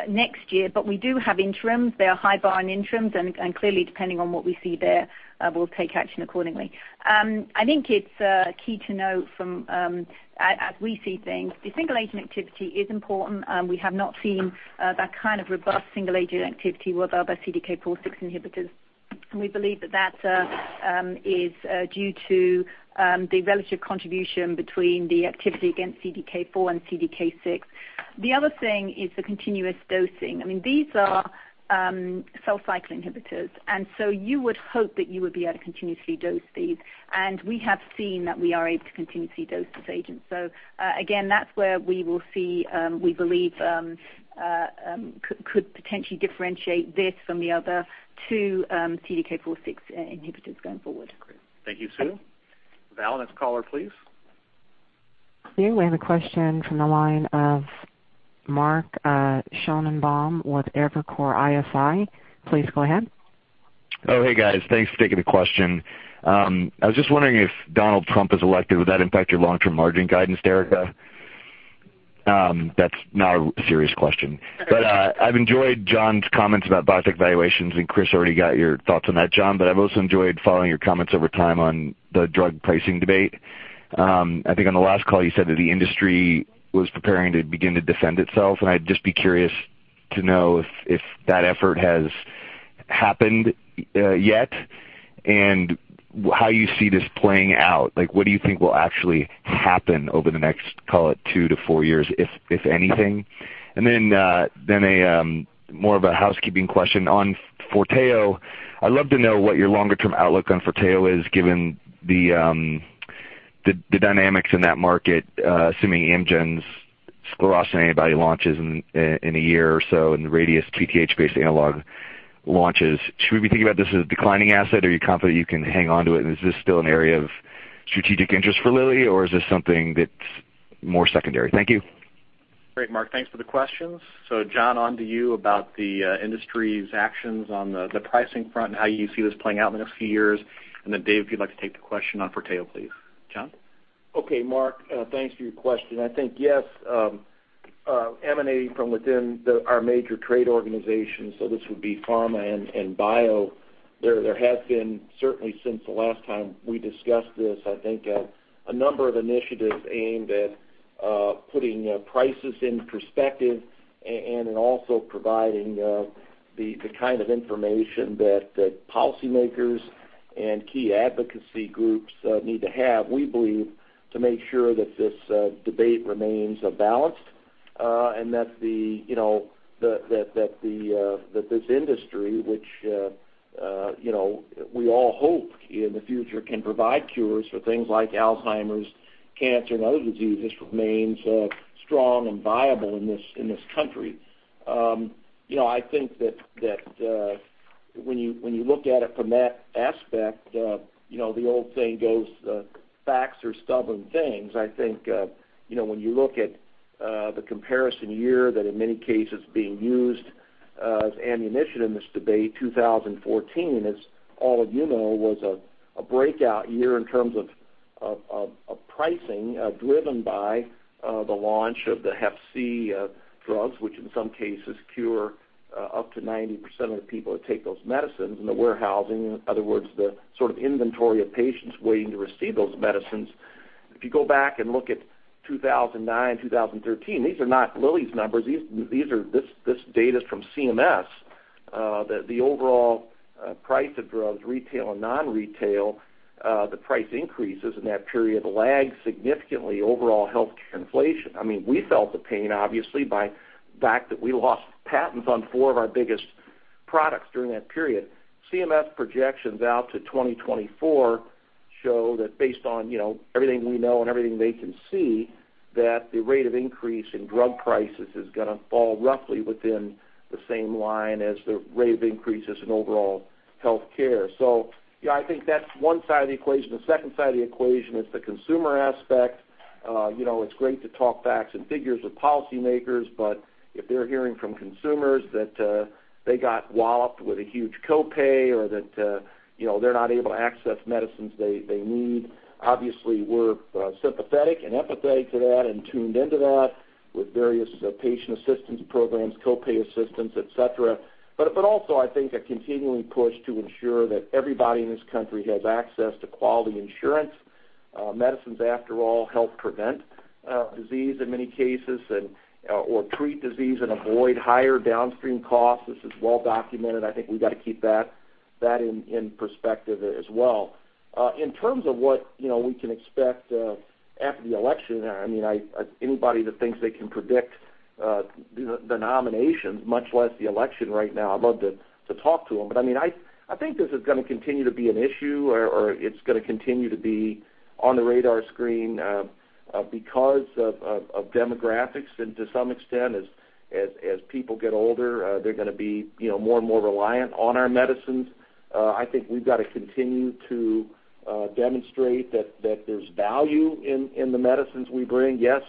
Speaker 6: next year, but we do have interims. They are high-bar interims. Clearly, depending on what we see there, we'll take action accordingly. I think it's key to note from, as we see things, the single-agent activity is important. We have not seen that kind of robust single-agent activity with other CDK4/6 inhibitors. We believe that is due to the relative contribution between the activity against CDK4 and CDK6. The other thing is the continuous dosing. These are cell cycle inhibitors, you would hope that you would be able to continuously dose these. We have seen that we are able to continuously dose this agent. Again, that's where we will see, we believe could potentially differentiate this from the other two CDK4/6 inhibitors going forward.
Speaker 3: Thank you, Sue. The balance caller, please.
Speaker 1: Sure. We have a question from the line of Mark Schoenebaum with Evercore ISI. Please go ahead.
Speaker 13: Hey, guys. Thanks for taking the question. I was just wondering if Donald Trump is elected, would that impact your long-term margin guidance, Derek? That's not a serious question. I've enjoyed John's comments about biotech valuations, Chris already got your thoughts on that, John, but I've also enjoyed following your comments over time on the drug pricing debate. I think on the last call, you said that the industry was preparing to begin to defend itself, I'd just be curious to know if that effort has happened yet and how you see this playing out. What do you think will actually happen over the next, call it, two to four years, if anything? Then more of a housekeeping question on FORTEO. I'd love to know what your longer-term outlook on FORTEO is given the dynamics in that market, assuming Amgen's sclerostin antibody launches in a year or so, and the Radius PTH-based analog launches. Should we be thinking about this as a declining asset? Are you confident you can hang onto it? Is this still an area of strategic interest for Lilly, or is this something that's more secondary? Thank you.
Speaker 3: Great, Mark. Thanks for the questions. John, on to you about the industry's actions on the pricing front and how you see this playing out in the next few years. Dave, if you'd like to take the question on FORTEO, please. John?
Speaker 2: Okay, Mark. Thanks for your question. I think, yes, emanating from within our major trade organizations, this would be pharma and bio, there has been certainly since the last time we discussed this, I think a number of initiatives aimed at putting prices in perspective and in also providing the kind of information that policymakers and key advocacy groups need to have, we believe, to make sure that this debate remains balanced and that this industry, which we all hope in the future can provide cures for things like Alzheimer's, cancer and other diseases, remains strong and viable in this country. I think that when you look at it from that aspect, the old saying goes, "Facts are stubborn things." I think when you look at the comparison year that in many cases being used as ammunition in this debate, 2014, as all of you know, was a breakout year in terms of pricing, driven by the launch of the Hep C drugs, which in some cases cure up to 90% of the people that take those medicines and the warehousing. In other words, the sort of inventory of patients waiting to receive those medicines. If you go back and look at 2009, 2013, these are not Lilly's numbers, this data's from CMS, that the overall price of drugs, retail and non-retail, the price increases in that period lag significantly overall health care inflation. We felt the pain, obviously, by the fact that we lost patents on four of our biggest products during that period. CMS projections out to 2024 show that based on everything we know and everything they can see, that the rate of increase in drug prices is going to fall roughly within the same line as the rate of increases in overall health care. Yeah, I think that's one side of the equation. The second side of the equation is the consumer aspect. It's great to talk facts and figures with policymakers, but if they're hearing from consumers that they got walloped with a huge co-pay or that they're not able to access medicines they need, obviously, we're sympathetic and empathetic to that and tuned into that with various patient assistance programs, co-pay assistance, et cetera. Also, I think a continuing push to ensure that everybody in this country has access to quality insurance. Medicines, after all, help prevent disease in many cases or treat disease and avoid higher downstream costs. This is well-documented. I think we've got to keep that in perspective as well. In terms of what we can expect after the election, anybody that thinks they can predict the nominations, much less the election right now, I'd love to talk to them. I think this is going to continue to be an issue, or it's going to continue to be on the radar screen because of demographics, and to some extent, as people get older, they're going to be more and more reliant on our medicines. I think we've got to continue to demonstrate that there's value in the medicines we bring. Yes,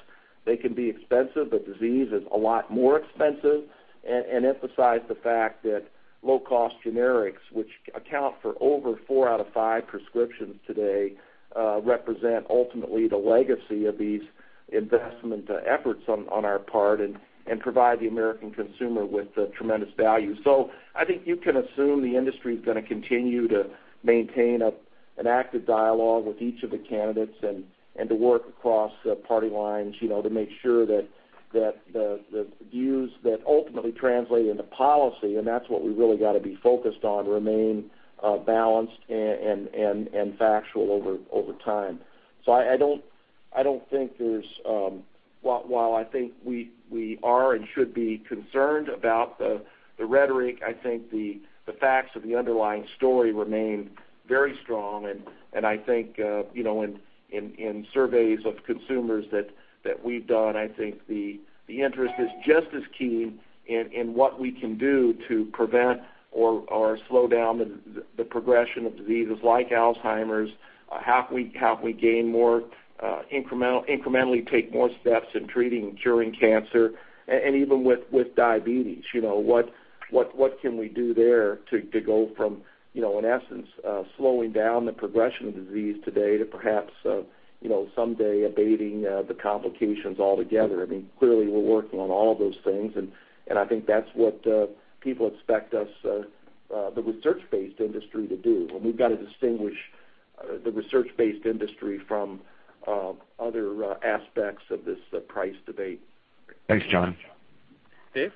Speaker 2: they can be expensive, but disease is a lot more expensive. Emphasize the fact that low-cost generics, which account for over four out of five prescriptions today, represent ultimately the legacy of these investment efforts on our part and provide the American consumer with tremendous value. I think you can assume the industry's going to continue to maintain an active dialogue with each of the candidates and to work across party lines, to make sure that the views that ultimately translate into policy, and that's what we really got to be focused on, remain balanced and factual over time. While I think we are and should be concerned about the rhetoric, I think the facts of the underlying story remain very strong, and I think in surveys of consumers that we've done, I think the interest is just as keen in what we can do to prevent or slow down the progression of diseases like Alzheimer's. How can we gain more, incrementally take more steps in treating and curing cancer and even with diabetes. What can we do there to go from, in essence, slowing down the progression of disease today to perhaps someday abating the complications altogether. Clearly, we're working on all of those things, and I think that's what people expect us, the research-based industry, to do. We've got to distinguish the research-based industry from other aspects of this price debate.
Speaker 13: Thanks, John.
Speaker 3: Dave?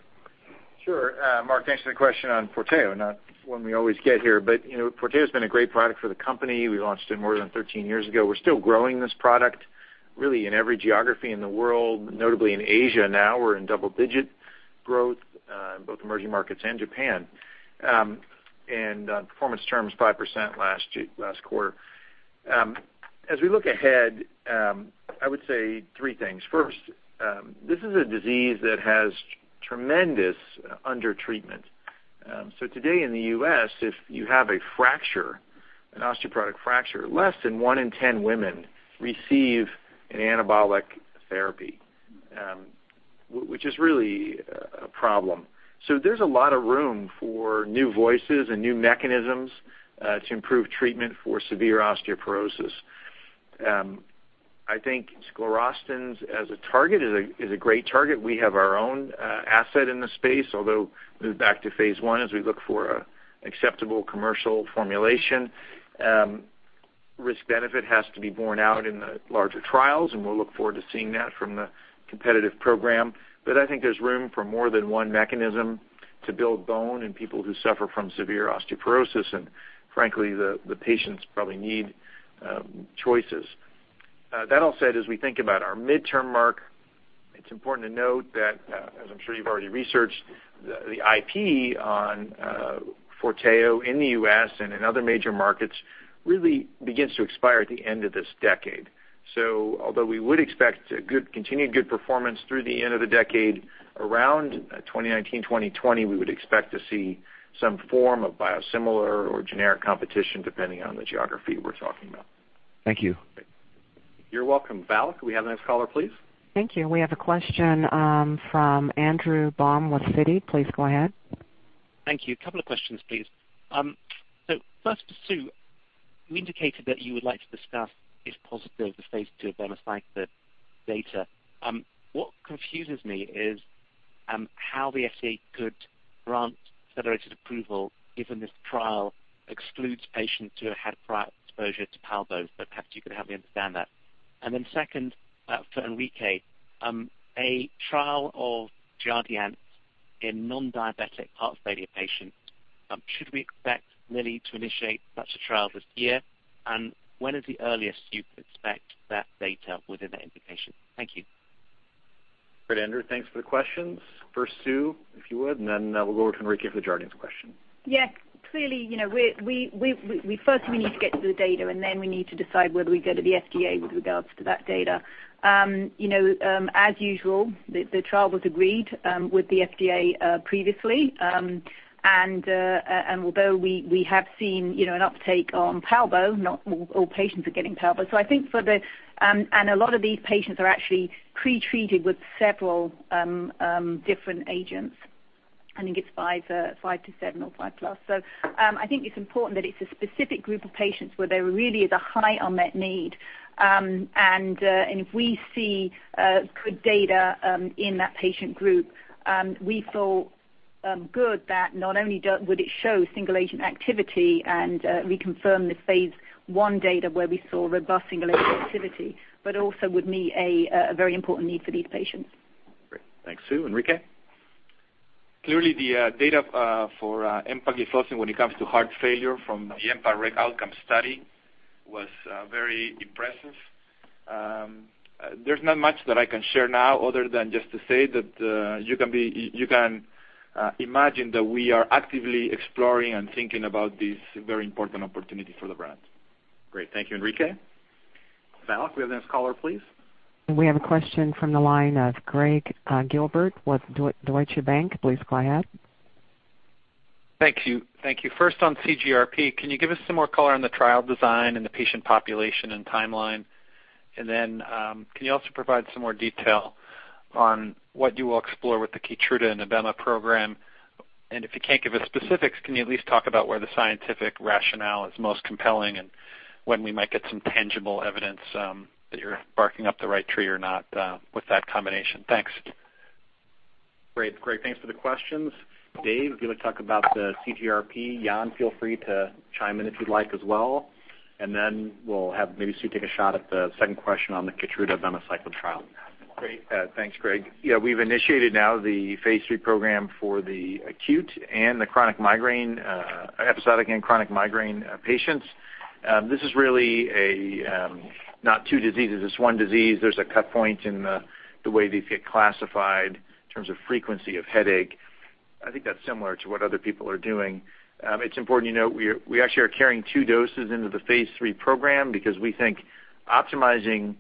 Speaker 7: Sure. Mark, thanks for the question on FORTEO, not one we always get here, but FORTEO's been a great product for the company. We launched it more than 13 years ago. We're still growing this product really in every geography in the world, notably in Asia now. We're in double-digit growth in both emerging markets and Japan. On performance terms, 5% last quarter. As we look ahead, I would say three things. First, this is a disease that has tremendous under-treatment. Today in the U.S., if you have a fracture, an osteoporotic fracture, less than one in 10 women receive an anabolic therapy, which is really a problem. So there's a lot of room for new voices and new mechanisms to improve treatment for severe osteoporosis. I think sclerostin as a target is a great target. We have our own asset in the space, although moved back to phase I as we look for an acceptable commercial formulation. Risk benefit has to be borne out in the larger trials, and we'll look forward to seeing that from the competitive program. I think there's room for more than one mechanism to build bone in people who suffer from severe osteoporosis, and frankly, the patients probably need choices. That all said, as we think about our midterm mark, it's important to note that, as I'm sure you've already researched, the IP on FORTEO in the U.S. and in other major markets really begins to expire at the end of this decade. Although we would expect continued good performance through the end of the decade, around 2019, 2020, we would expect to see some form of biosimilar or generic competition, depending on the geography we're talking about.
Speaker 13: Thank you.
Speaker 3: You're welcome. Val, could we have the next caller, please?
Speaker 1: Thank you. We have a question from Andrew Baum with Citi. Please go ahead.
Speaker 14: Thank you. A couple of questions, please. First, Sue, you indicated that you would like to discuss if positive the phase II abemaciclib data. What confuses me is how the FDA could grant federated approval given this trial excludes patients who have had prior exposure to palbociclib, perhaps you could help me understand that. Second, for Enrique, a trial of Jardiance in non-diabetic heart failure patients, should we expect Lilly to initiate such a trial this year? When is the earliest you could expect that data within that indication? Thank you.
Speaker 3: Great, Andrew. Thanks for the questions. First, Sue, if you would, then we'll go over to Enrique for the Jardiance question.
Speaker 6: Yes. Clearly, first we need to get to the data. Then we need to decide whether we go to the FDA with regards to that data. As usual, the trial was agreed with the FDA previously. Although we have seen an uptake on Ibrance, not all patients are getting Ibrance. A lot of these patients are actually pre-treated with several different agents. I think it's five to seven or five plus. I think it's important that it's a specific group of patients where there really is a high unmet need. If we see good data in that patient group, we feel good that not only would it show single-agent activity and reconfirm the phase I data where we saw robust single-agent activity, but also would meet a very important need for these patients.
Speaker 3: Great. Thanks, Sue. Enrique?
Speaker 9: Clearly, the data for empagliflozin when it comes to heart failure from the EMPA-REG OUTCOME study was very impressive. There's not much that I can share now other than just to say that you can imagine that we are actively exploring and thinking about this very important opportunity for the brand.
Speaker 3: Great. Thank you, Enrique. Val, can we have the next caller, please?
Speaker 1: We have a question from the line of Gregg Gilbert with Deutsche Bank. Please go ahead.
Speaker 15: Thank you. First, on CGRP, can you give us some more color on the trial design and the patient population and timeline? Can you also provide some more detail on what you will explore with the KEYTRUDA and ibalizumab program? If you can't give us specifics, can you at least talk about where the scientific rationale is most compelling, and when we might get some tangible evidence that you're barking up the right tree or not with that combination? Thanks.
Speaker 3: Great. Gregg, thanks for the questions. Dave, if you want to talk about the CGRP. Jan, feel free to chime in if you'd like as well. We'll have maybe Sue take a shot at the second question on the KEYTRUDA ibalizumab trial.
Speaker 7: Great. Thanks, Gregg. Yeah, we've initiated now the phase III program for the acute and the chronic migraine, episodic and chronic migraine patients. This is really not two diseases. It's one disease. There's a cut point in the way these get classified in terms of frequency of headache. I think that's similar to what other people are doing. It's important you note we actually are carrying two doses into the phase III program because we think optimizing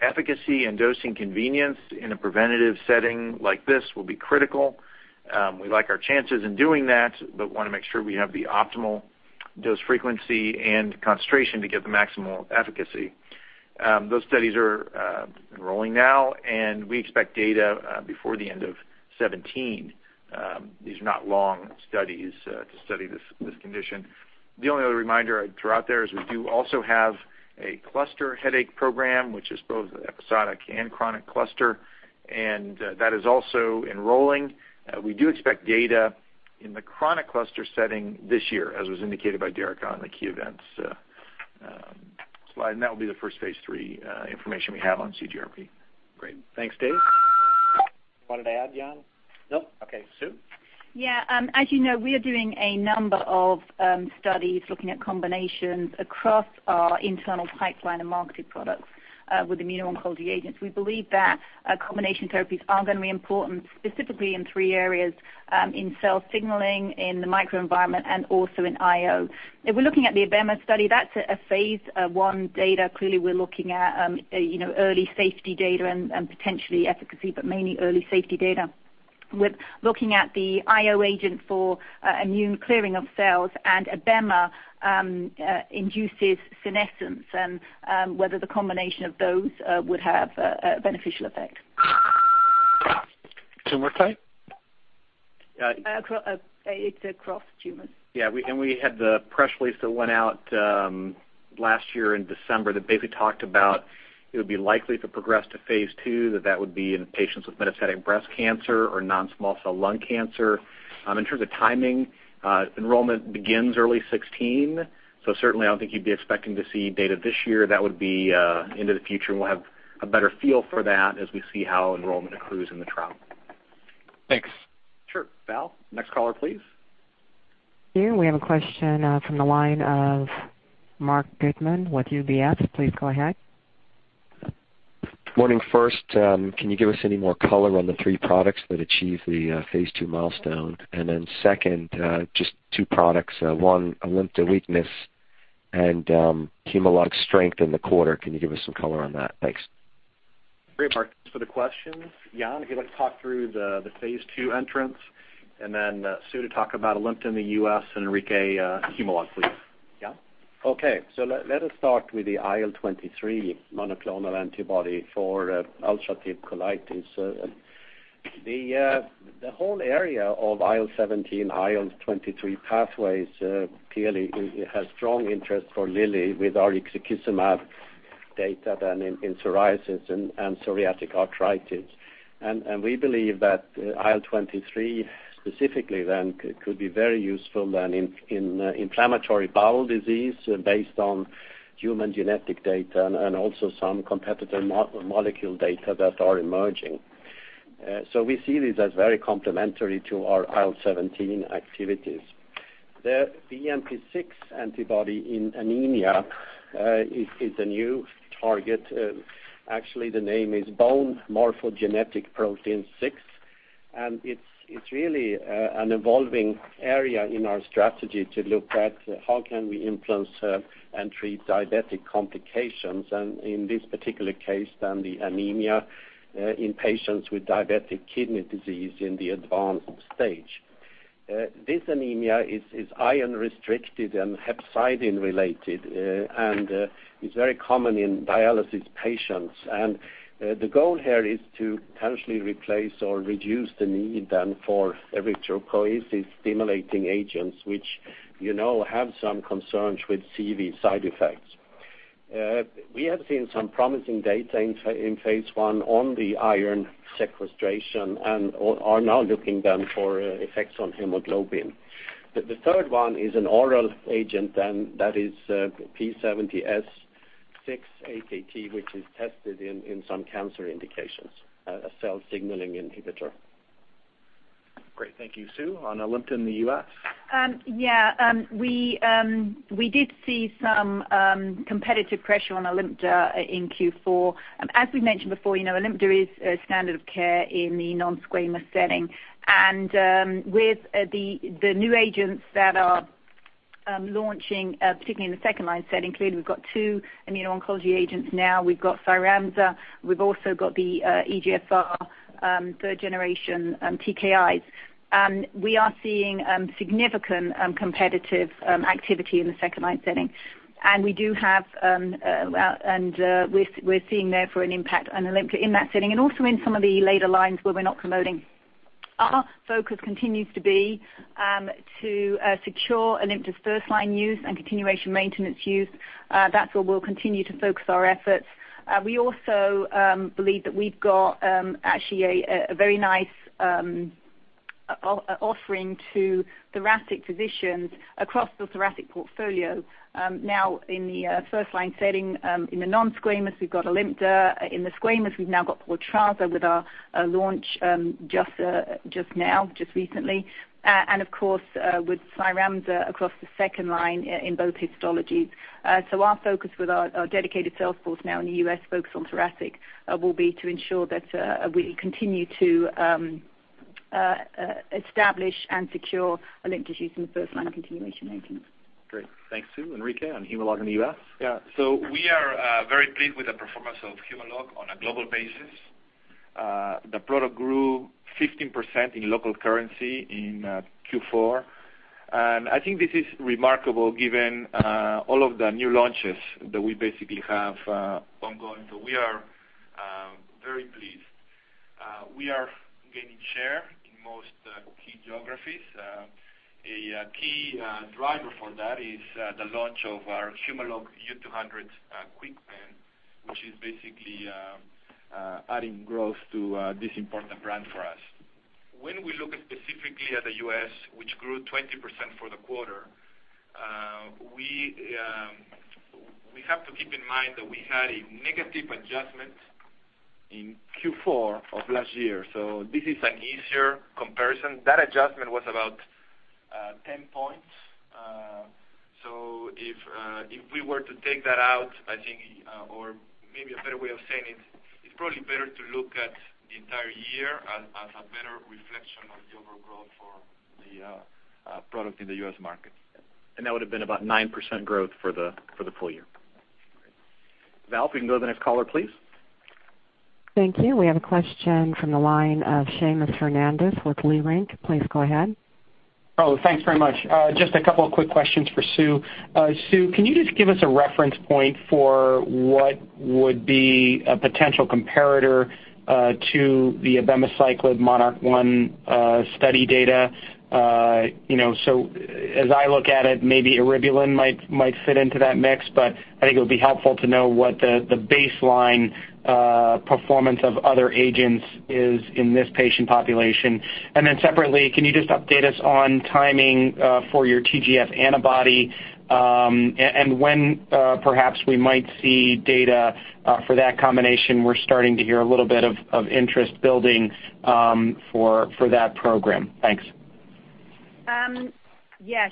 Speaker 7: efficacy and dosing convenience in a preventative setting like this will be critical. We like our chances in doing that, want to make sure we have the optimal dose frequency and concentration to get the maximal efficacy. Those studies are enrolling now, and we expect data before the end of 2017. These are not long studies to study this condition. The only other reminder I'd throw out there is we do also have a cluster headache program, which is both episodic and chronic cluster, and that is also enrolling. We do expect data in the chronic cluster setting this year, as was indicated by Derica on the key events slide. That will be the first phase III information we have on CGRP.
Speaker 15: Great. Thanks, Dave.
Speaker 7: You wanted to add, Jan?
Speaker 16: Nope.
Speaker 7: Okay. Susan?
Speaker 6: Yeah. As you know, we are doing a number of studies looking at combinations across our internal pipeline and marketed products with immuno-oncology agents. We believe that combination therapies are going to be important, specifically in three areas, in cell signaling, in the microenvironment, and also in IO. If we're looking at the ibalizumab study, that's a phase I data. Clearly, we're looking at early safety data and potentially efficacy, but mainly early safety data. We're looking at the IO agent for immune clearing of cells, and ibalizumab induces senescence and whether the combination of those would have a beneficial effect.
Speaker 15: Tumor type?
Speaker 6: It's across tumors.
Speaker 7: Yeah. We had the press release that went out last year in December that basically talked about it would be likely to progress to phase II, that that would be in patients with metastatic breast cancer or non-small cell lung cancer. In terms of timing, enrollment begins early 2016, certainly I don't think you'd be expecting to see data this year. That would be into the future, and we'll have a better feel for that as we see how enrollment accrues in the trial.
Speaker 15: Thanks.
Speaker 3: Sure. Val, next caller, please.
Speaker 1: Sure. We have a question from the line of Marc Goodman with UBS. Please go ahead.
Speaker 17: Morning. First, can you give us any more color on the three products that achieved the phase II milestone? Second, just two products, one ALIMTA weakness and Humalog strength in the quarter. Can you give us some color on that? Thanks.
Speaker 3: Great, Marc. Thanks for the questions. Jan, if you'd like to talk through the phase II entrants, and then Sue, to talk about ALIMTA in the U.S., and Enrique, Humalog, please. Jan?
Speaker 16: Okay. Let us start with the IL-23 monoclonal antibody for ulcerative colitis. The whole area of IL-17, IL-23 pathways clearly has strong interest for Lilly with our ixekizumab data in psoriasis and psoriatic arthritis. We believe that IL-23 specifically then could be very useful then in inflammatory bowel disease based on human genetic data and also some competitor molecule data that are emerging. We see this as very complementary to our IL-17 activities. The BMP6 antibody in anemia is a new target. Actually, the name is bone morphogenetic protein 6. It's really an evolving area in our strategy to look at how can we influence and treat diabetic complications, and in this particular case, then the anemia in patients with diabetic kidney disease in the advanced stage. This anemia is iron restricted and hepcidin related, and is very common in dialysis patients. The goal here is to potentially replace or reduce the need then for erythropoiesis-stimulating agents, which you know have some concerns with CV side effects. We have seen some promising data in phase I on the iron sequestration and are now looking then for effects on hemoglobin. The third one is an oral agent then that is p70S6K, which is tested in some cancer indications, a cell signaling inhibitor.
Speaker 3: Great. Thank you. Sue, on ALIMTA in the U.S.?
Speaker 6: Yeah. We did see some competitive pressure on ALIMTA in Q4. As we mentioned before, ALIMTA is a standard of care in the non-squamous setting. With the new agents that are launching, particularly in the second-line setting. Clearly, we've got two immuno-oncology agents now. We've got CYRAMZA. We've also got the EGFR third-generation TKIs. We are seeing significant competitive activity in the second-line setting. We're seeing therefore an impact on ALIMTA in that setting and also in some of the later lines where we're not promoting. Our focus continues to be to secure ALIMTA's first-line use and continuation maintenance use. That's where we'll continue to focus our efforts. We also believe that we've got actually a very nice offering to thoracic physicians across the thoracic portfolio. Now in the first-line setting, in the non-squamous, we've got ALIMTA. In the squamous, we've now got Portrazza with our launch just now, just recently. Of course, with CYRAMZA across the second-line in both histologies. Our focus with our dedicated sales force now in the U.S. focused on thoracic, will be to ensure that we continue to establish and secure ALIMTA's use in the first-line continuation maintenance.
Speaker 3: Great. Thanks, Sue. Enrique on Humalog in the U.S.?
Speaker 9: We are very pleased with the performance of Humalog on a global basis. The product grew 15% in local currency in Q4. I think this is remarkable given all of the new launches that we basically have ongoing. We are very pleased. We are gaining share in most key geographies. A key driver for that is the launch of our Humalog U-200 KwikPen, which is basically adding growth to this important brand for us. When we look specifically at the U.S., which grew 20% for the quarter, we have to keep in mind that we had a negative adjustment in Q4 of last year. This is an easier comparison. That adjustment was about 10 points. If we were to take that out, or maybe a better way of saying it's probably better to look at the entire year as a better reflection of the overall growth for the product in the U.S. market.
Speaker 3: That would have been about 9% growth for the full year. Great. Val, if we can go to the next caller, please.
Speaker 1: Thank you. We have a question from the line of Seamus Fernandez with Leerink. Please go ahead.
Speaker 18: Thanks very much. Just a couple of quick questions for Sue. Sue, can you just give us a reference point for what would be a potential comparator to the abemaciclib MONARCH 1 study data? As I look at it, maybe eribulin might fit into that mix, but I think it would be helpful to know what the baseline performance of other agents is in this patient population. Separately, can you just update us on timing for your TGF antibody, and when perhaps we might see data for that combination? We're starting to hear a little of interest building for that program. Thanks.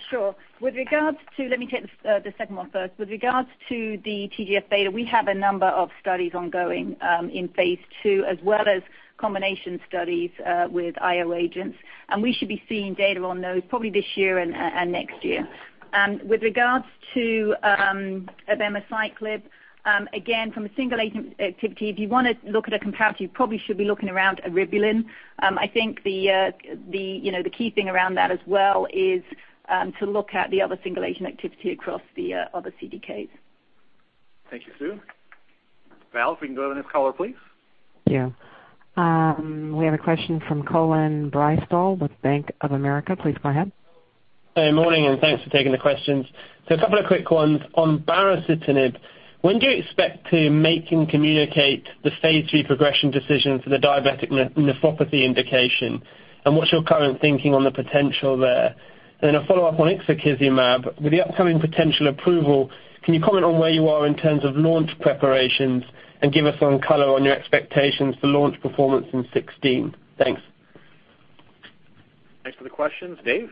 Speaker 6: Sure. Let me take the second one first. With regards to the TGF data, we have a number of studies ongoing in phase II, as well as combination studies with IO agents. We should be seeing data on those probably this year and next year. With regards to abemaciclib, again, from a single agent activity, if you want to look at a comparative, you probably should be looking around eribulin. I think the key thing around that as well is to look at the other single agent activity across the other CDKs.
Speaker 3: Thank you, Sue. Val, if we can go to the next caller, please.
Speaker 1: Yeah. We have a question from Colin Bristow with Bank of America. Please go ahead.
Speaker 19: Morning. Thanks for taking the questions. A couple of quick ones. On baricitinib, when do you expect to make and communicate the phase III progression decision for the diabetic nephropathy indication, and what's your current thinking on the potential there? A follow-up on ixekizumab. With the upcoming potential approval, can you comment on where you are in terms of launch preparations and give us some color on your expectations for launch performance in 2016? Thanks.
Speaker 3: Thanks for the questions. Dave?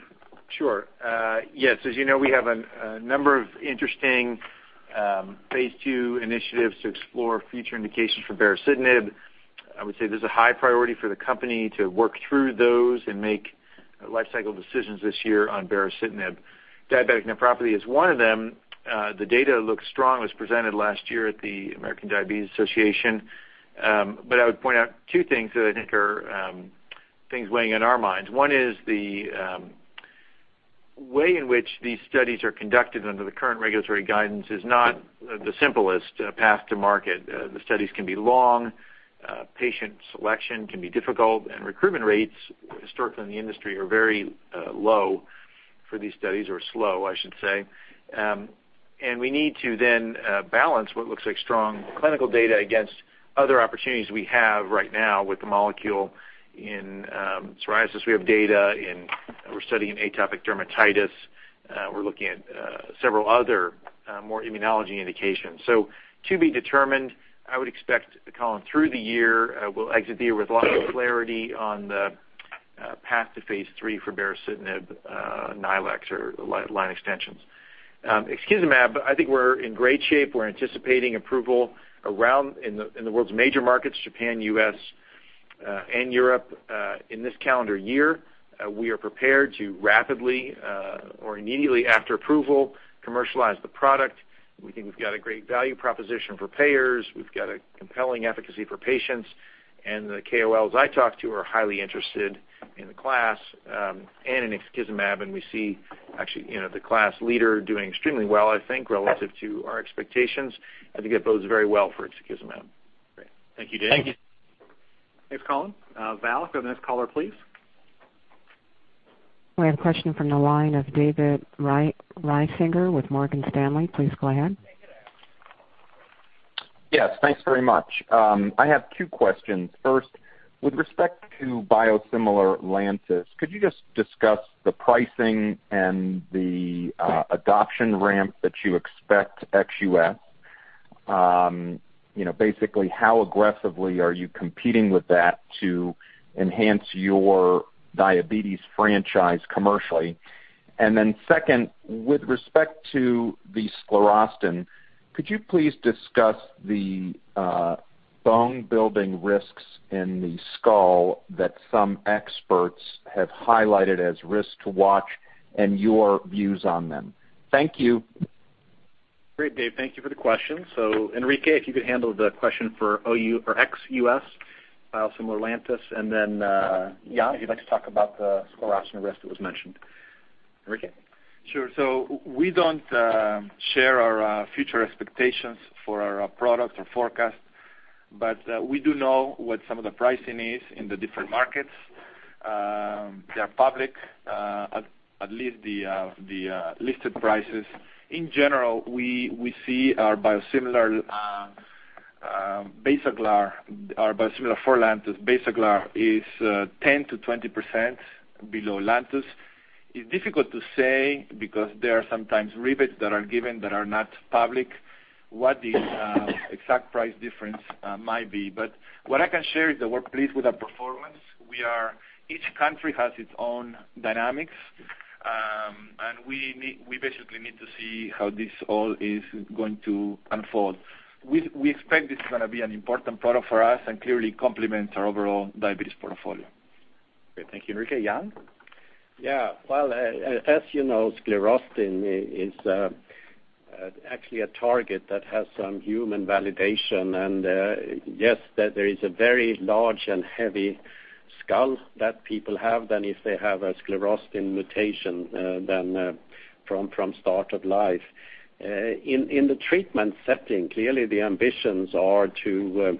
Speaker 7: Sure. Yes. As you know, we have a number of interesting phase II initiatives to explore future indications for baricitinib. I would say this is a high priority for the company to work through those and make life cycle decisions this year on baricitinib. Diabetic nephropathy is one of them. The data looks strong. It was presented last year at the American Diabetes Association. I would point out two things that I think are things weighing on our minds. One is the way in which these studies are conducted under the current regulatory guidance is not the simplest path to market. The studies can be long, patient selection can be difficult, and recruitment rates historically in the industry are very low for these studies, or slow, I should say. We need to then balance what looks like strong clinical data against other opportunities we have right now with the molecule. In psoriasis, we have data, and we're studying atopic dermatitis. We're looking at several other more immunology indications. To be determined. I would expect, Colin, through the year, we'll exit the year with a lot of clarity on the path to phase III for baricitinib, NILEs or line extensions Excuse me. I think we're in great shape. We're anticipating approval around in the world's major markets, Japan, U.S., and Europe, in this calendar year. We are prepared to rapidly or immediately after approval, commercialize the product. We think we've got a great value proposition for payers. We've got a compelling efficacy for patients. The KOLs I talk to are highly interested in the class, and in ixekizumab, we see actually, the class leader doing extremely well, I think, relative to our expectations. I think it bodes very well for ixekizumab.
Speaker 3: Great. Thank you, Dave. Thank you. Thanks, Colin. Val, the next caller, please.
Speaker 1: We have a question from the line of David Risinger with Morgan Stanley. Please go ahead.
Speaker 20: Hey, good afternoon. Yes, thanks very much. I have two questions. First, with respect to biosimilar Lantus, could you just discuss the pricing and the adoption ramp that you expect ex-U.S.? Basically, how aggressively are you competing with that to enhance your diabetes franchise commercially? Second, with respect to the sclerostin, could you please discuss the bone-building risks in the skull that some experts have highlighted as risks to watch and your views on them? Thank you.
Speaker 3: Great, Dave. Thank you for the question. Enrique, if you could handle the question for EU for ex-U.S., biosimilar Lantus, Jan, if you'd like to talk about the sclerostin risk that was mentioned. Enrique?
Speaker 9: Sure. We don't share our future expectations for our product or forecast. We do know what some of the pricing is in the different markets. They're public, at least the listed prices. In general, we see our biosimilar, Basaglar, our biosimilar for Lantus, Basaglar, is 10%-20% below Lantus. It's difficult to say because there are sometimes rebates that are given that are not public, what the exact price difference might be. What I can share is that we're pleased with our performance. Each country has its own dynamics. We basically need to see how this all is going to unfold. We expect this is going to be an important product for us and clearly complement our overall diabetes portfolio.
Speaker 3: Great. Thank you, Enrique. Jan?
Speaker 16: Yeah. Well, as you know, sclerostin is actually a target that has some human validation. Yes, there is a very large and heavy skull that people have than if they have a sclerostin mutation than from start of life. In the treatment setting, clearly the ambitions are to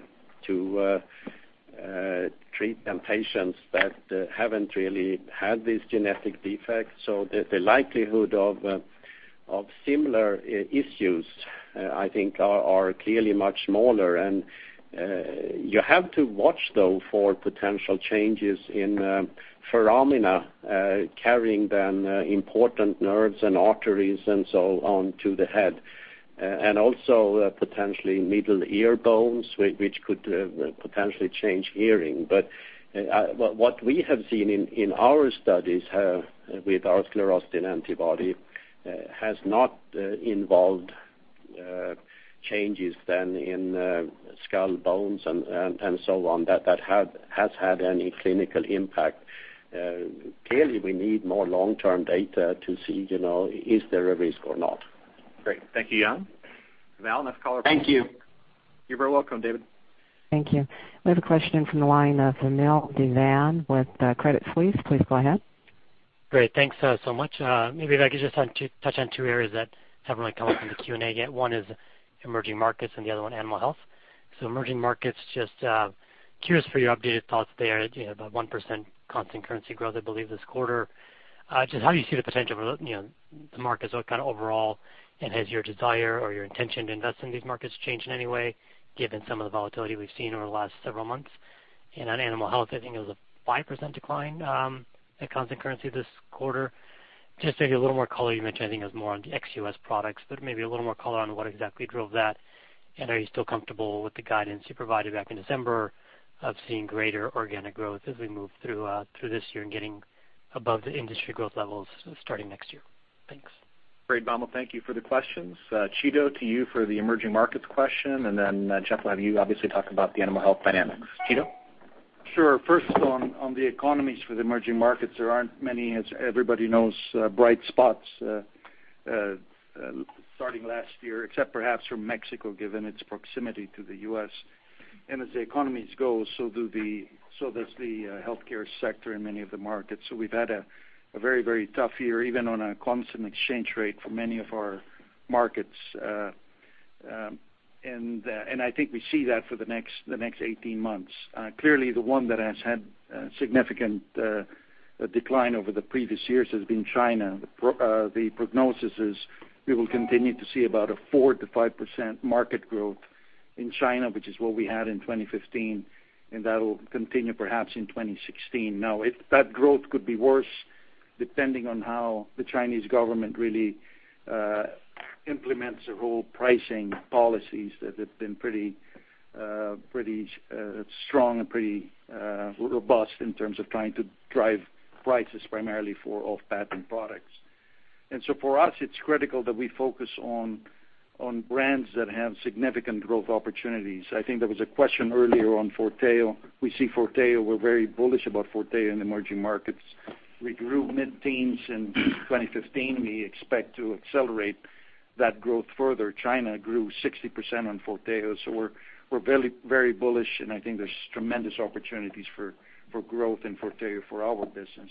Speaker 16: treat them patients that haven't really had these genetic defects. The likelihood of similar issues, I think, are clearly much smaller. You have to watch, though, for potential changes in foramina carrying then important nerves and arteries and so on to the head. Also potentially middle ear bones, which could potentially change hearing. What we have seen in our studies with our sclerostin antibody has not involved changes then in skull bones and so on that has had any clinical impact. Clearly, we need more long-term data to see, is there a risk or not.
Speaker 3: Great. Thank you, Jan. Val, next caller.
Speaker 20: Thank you.
Speaker 3: You're very welcome, David.
Speaker 1: Thank you. We have a question from the line of Vamil Divan with Credit Suisse. Please go ahead.
Speaker 21: Great. Thanks so much. Maybe if I could just touch on two areas that haven't really come up in the Q&A yet. One is emerging markets, and the other one animal health. Emerging markets, just curious for your updated thoughts there. You had about 1% constant currency growth, I believe, this quarter. Just how do you see the potential for the markets kind of overall, and has your desire or your intention to invest in these markets changed in any way, given some of the volatility we've seen over the last several months? On animal health, I think it was a 5% decline at constant currency this quarter. Just maybe a little more color. You mentioned, I think it was more on the ex-U.S. products, maybe a little more color on what exactly drove that, are you still comfortable with the guidance you provided back in December of seeing greater organic growth as we move through this year and getting above the industry growth levels starting next year? Thanks.
Speaker 3: Great, Vamil. Thank you for the questions. Chito, to you for the emerging markets question. Jeff will have you obviously talk about the animal health dynamics. Chito?
Speaker 22: Sure. First on the economies for the emerging markets, there aren't many, as everybody knows, bright spots starting last year, except perhaps from Mexico, given its proximity to the U.S. As the economies go, so does the healthcare sector in many of the markets. We've had a very tough year, even on a constant exchange rate for many of our markets. I think we see that for the next 18 months. Clearly, the one that has had a significant decline over the previous years has been China. The prognosis is we will continue to see about a 4%-5% market growth in China, which is what we had in 2015, and that'll continue perhaps in 2016. Now, that growth could be worse depending on how the Chinese government really implements the whole pricing policies that have been pretty strong and pretty robust in terms of trying to drive prices primarily for off-patent products. For us, it's critical that we focus on brands that have significant growth opportunities. I think there was a question earlier on Forteo. We see Forteo, we're very bullish about Forteo in emerging markets. We grew mid-teens in 2015. We expect to accelerate that growth further. China grew 60% on Forteo, we're very bullish, and I think there's tremendous opportunities for growth in Forteo for our business.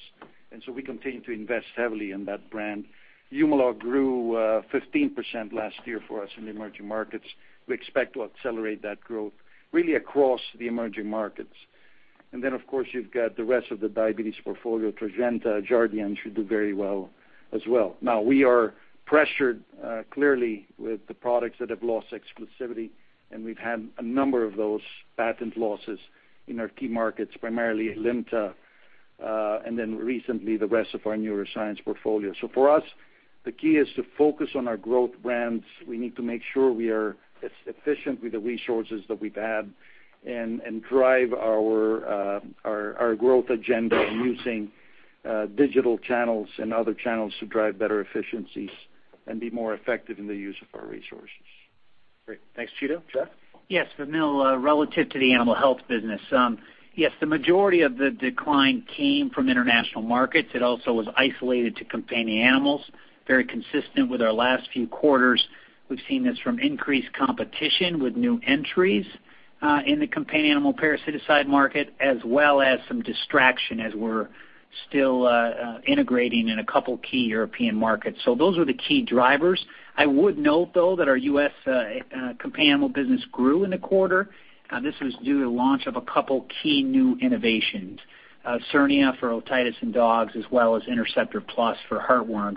Speaker 22: We continue to invest heavily in that brand. Humalog grew 15% last year for us in emerging markets. We expect to accelerate that growth really across the emerging markets. Of course, you've got the rest of the diabetes portfolio. Tradjenta, Jardiance should do very well as well. Now we are pressured, clearly, with the products that have lost exclusivity, we've had a number of those patent losses in our key markets, primarily ALIMTA, recently the rest of our neuroscience portfolio. For us, the key is to focus on our growth brands. We need to make sure we are efficient with the resources that we've had and drive our growth agenda using digital channels and other channels to drive better efficiencies and be more effective in the use of our resources.
Speaker 3: Great. Thanks, Chito. Jeff?
Speaker 23: Vamil, relative to the animal health business. The majority of the decline came from international markets. It also was isolated to companion animals, very consistent with our last few quarters. We've seen this from increased competition with new entries in the companion animal parasitic side market, as well as some distraction as we're still integrating in a couple key European markets. Those are the key drivers. I would note, though, that our U.S. companion animal business grew in the quarter. This was due to the launch of a couple key new innovations, Osurnia for otitis in dogs as well as Interceptor Plus for heartworm.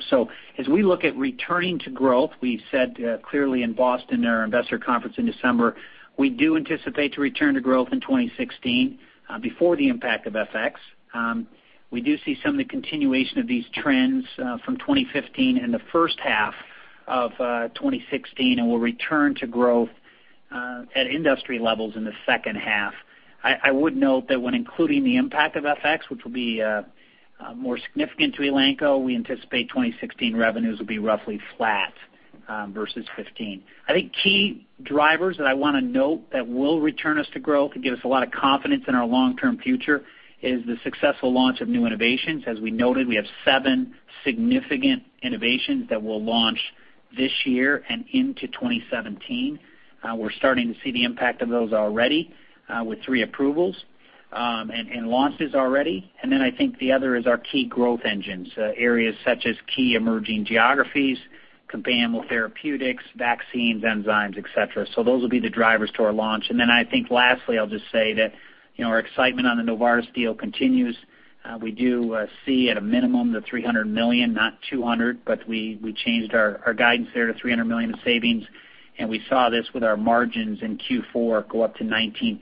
Speaker 23: As we look at returning to growth, we said clearly in Boston, our investor conference in December, we do anticipate to return to growth in 2016 before the impact of FX. We do see some of the continuation of these trends from 2015 and the first half of 2016, we'll return to growth at industry levels in the second half. I would note that when including the impact of FX, which will be more significant to Elanco, we anticipate 2016 revenues will be roughly flat versus 2015. I think key drivers that I want to note that will return us to growth, could give us a lot of confidence in our long-term future, is the successful launch of new innovations. As we noted, we have seven significant innovations that will launch this year and into 2017. We're starting to see the impact of those already with three approvals and launches already. Then I think the other is our key growth engines, areas such as key emerging geographies, companion animal therapeutics, vaccines, enzymes, et cetera. Those will be the drivers to our launch. Then I think lastly, I'll just say that our excitement on the Novartis deal continues. We do see at a minimum the $300 million, not $200, but we changed our guidance there to $300 million of savings, and we saw this with our margins in Q4 go up to 19%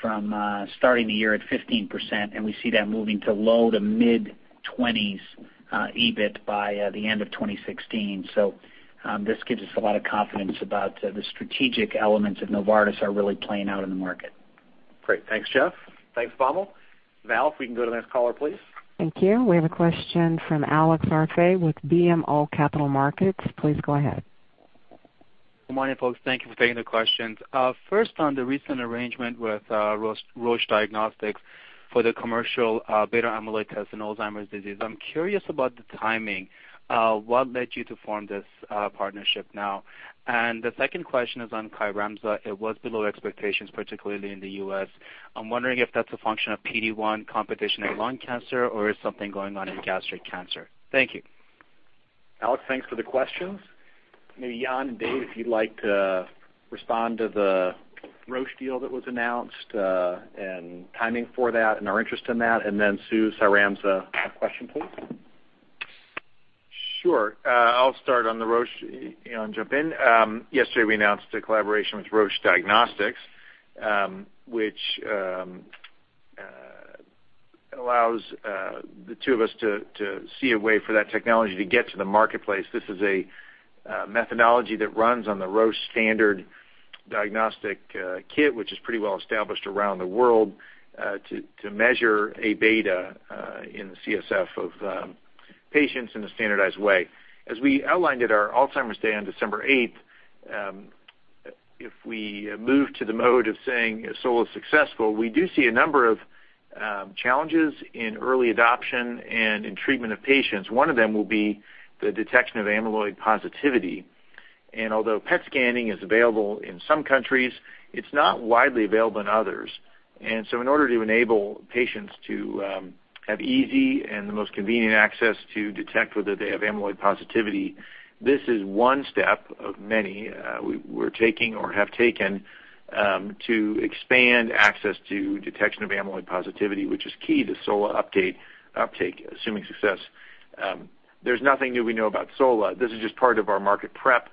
Speaker 23: from starting the year at 15%, and we see that moving to low to mid-20s EBIT by the end of 2016. This gives us a lot of confidence about the strategic elements of Novartis are really playing out in the market.
Speaker 3: Great. Thanks, Jeff. Thanks, Vamil. Val, if we can go to the next caller, please.
Speaker 1: Thank you. We have a question from Alex Arfaei with BMO Capital Markets. Please go ahead.
Speaker 24: Good morning, folks. Thank you for taking the questions. First, on the recent arrangement with Roche Diagnostics for the commercial beta amyloid test in Alzheimer's disease, I'm curious about the timing. What led you to form this partnership now? The second question is on CYRAMZA. It was below expectations, particularly in the U.S. I'm wondering if that's a function of PD-1 competition in lung cancer, is something going on in gastric cancer? Thank you.
Speaker 3: Alex, thanks for the questions. Maybe Jan and Dave, if you'd like to respond to the Roche deal that was announced, timing for that and our interest in that, then Sue, CYRAMZA question, please.
Speaker 7: Sure. I'll start on the Roche. Jan, jump in. Yesterday we announced a collaboration with Roche Diagnostics, which allows the two of us to see a way for that technology to get to the marketplace. This is a methodology that runs on the Roche standard diagnostic kit, which is pretty well established around the world to measure A-beta in the CSF of patients in a standardized way. As we outlined at our Alzheimer's Day on December 8th, if we move to the mode of saying Solu successful, we do see a number of challenges in early adoption and in treatment of patients. One of them will be the detection of amyloid positivity. Although PET scanning is available in some countries, it's not widely available in others. In order to enable patients to have easy and the most convenient access to detect whether they have amyloid positivity, this is one step of many we're taking or have taken to expand access to detection of amyloid positivity, which is key to Solu uptake, assuming success. There's nothing new we know about Solu. This is just part of our market prep,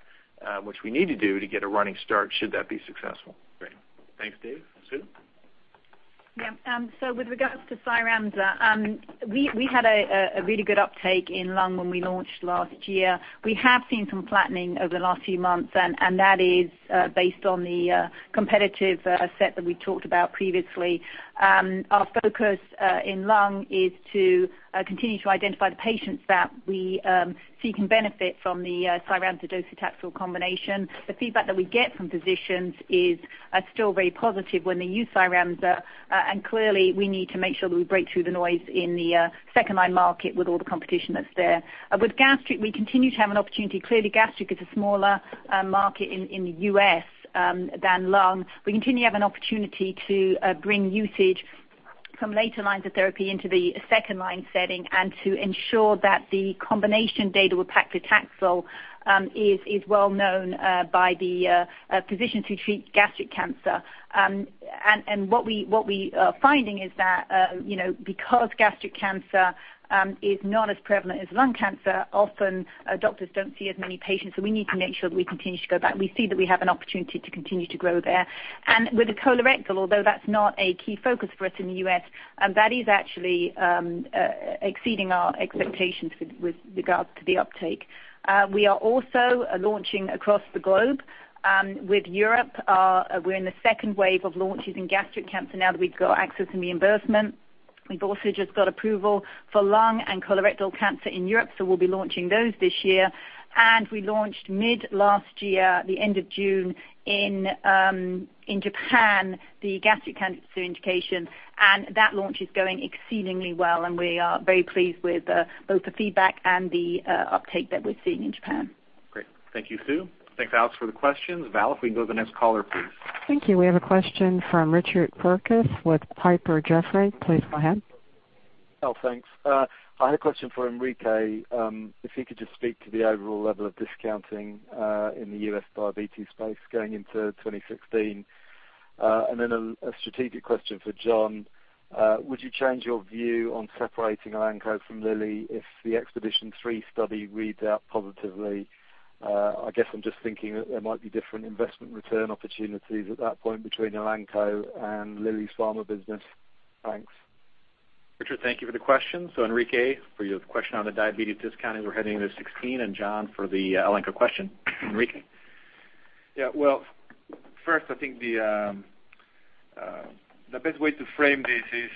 Speaker 7: which we need to do to get a running start should that be successful.
Speaker 3: Great. Thanks, Dave. Sue?
Speaker 6: Yeah. With regards to CYRAMZA, we had a really good uptake in lung when we launched last year. We have seen some flattening over the last few months, and that is based on the competitive set that we talked about previously. Our focus in lung is to continue to identify the patients that we see can benefit from the CYRAMZA docetaxel combination. The feedback that we get from physicians is still very positive when they use CYRAMZA. Clearly we need to make sure that we break through the noise in the second-line market with all the competition that's there. With gastric, we continue to have an opportunity. Clearly, gastric is a smaller market in the U.S. than lung. We continue to have an opportunity to bring usage from later lines of therapy into the second-line setting and to ensure that the combination data with paclitaxel is well known by the physicians who treat gastric cancer. What we are finding is that, because gastric cancer is not as prevalent as lung cancer, often doctors don't see as many patients, so we need to make sure that we continue to go back. We see that we have an opportunity to continue to grow there. With the colorectal, although that's not a key focus for us in the U.S., that is actually exceeding our expectations with regards to the uptake. We are also launching across the globe. With Europe, we're in the second wave of launches in gastric cancer now that we've got access and reimbursement. We've also just got approval for lung and colorectal cancer in Europe, so we'll be launching those this year. We launched mid last year, at the end of June in Japan, the gastric cancer indication. That launch is going exceedingly well, and we are very pleased with both the feedback and the uptake that we're seeing in Japan.
Speaker 3: Great. Thank you, Sue. Thanks, Alex, for the questions. Val, if we can go to the next caller, please.
Speaker 1: Thank you. We have a question from Richard Purkiss with Piper Jaffray. Please go ahead.
Speaker 25: Thanks. I had a question for Enrique. If he could just speak to the overall level of discounting in the U.S. diabetes space going into 2016. Then a strategic question for John. Would you change your view on separating Elanco from Lilly if the EXPEDITION3 study reads out positively? I guess I'm just thinking that there might be different investment return opportunities at that point between Elanco and Lilly's pharma business. Thanks.
Speaker 3: Richard, thank you for the question. Enrique, for your question on the diabetes discounting we're heading into 2016, and John for the Elanco question. Enrique?
Speaker 9: Yeah. Well, first, I think the best way to frame this is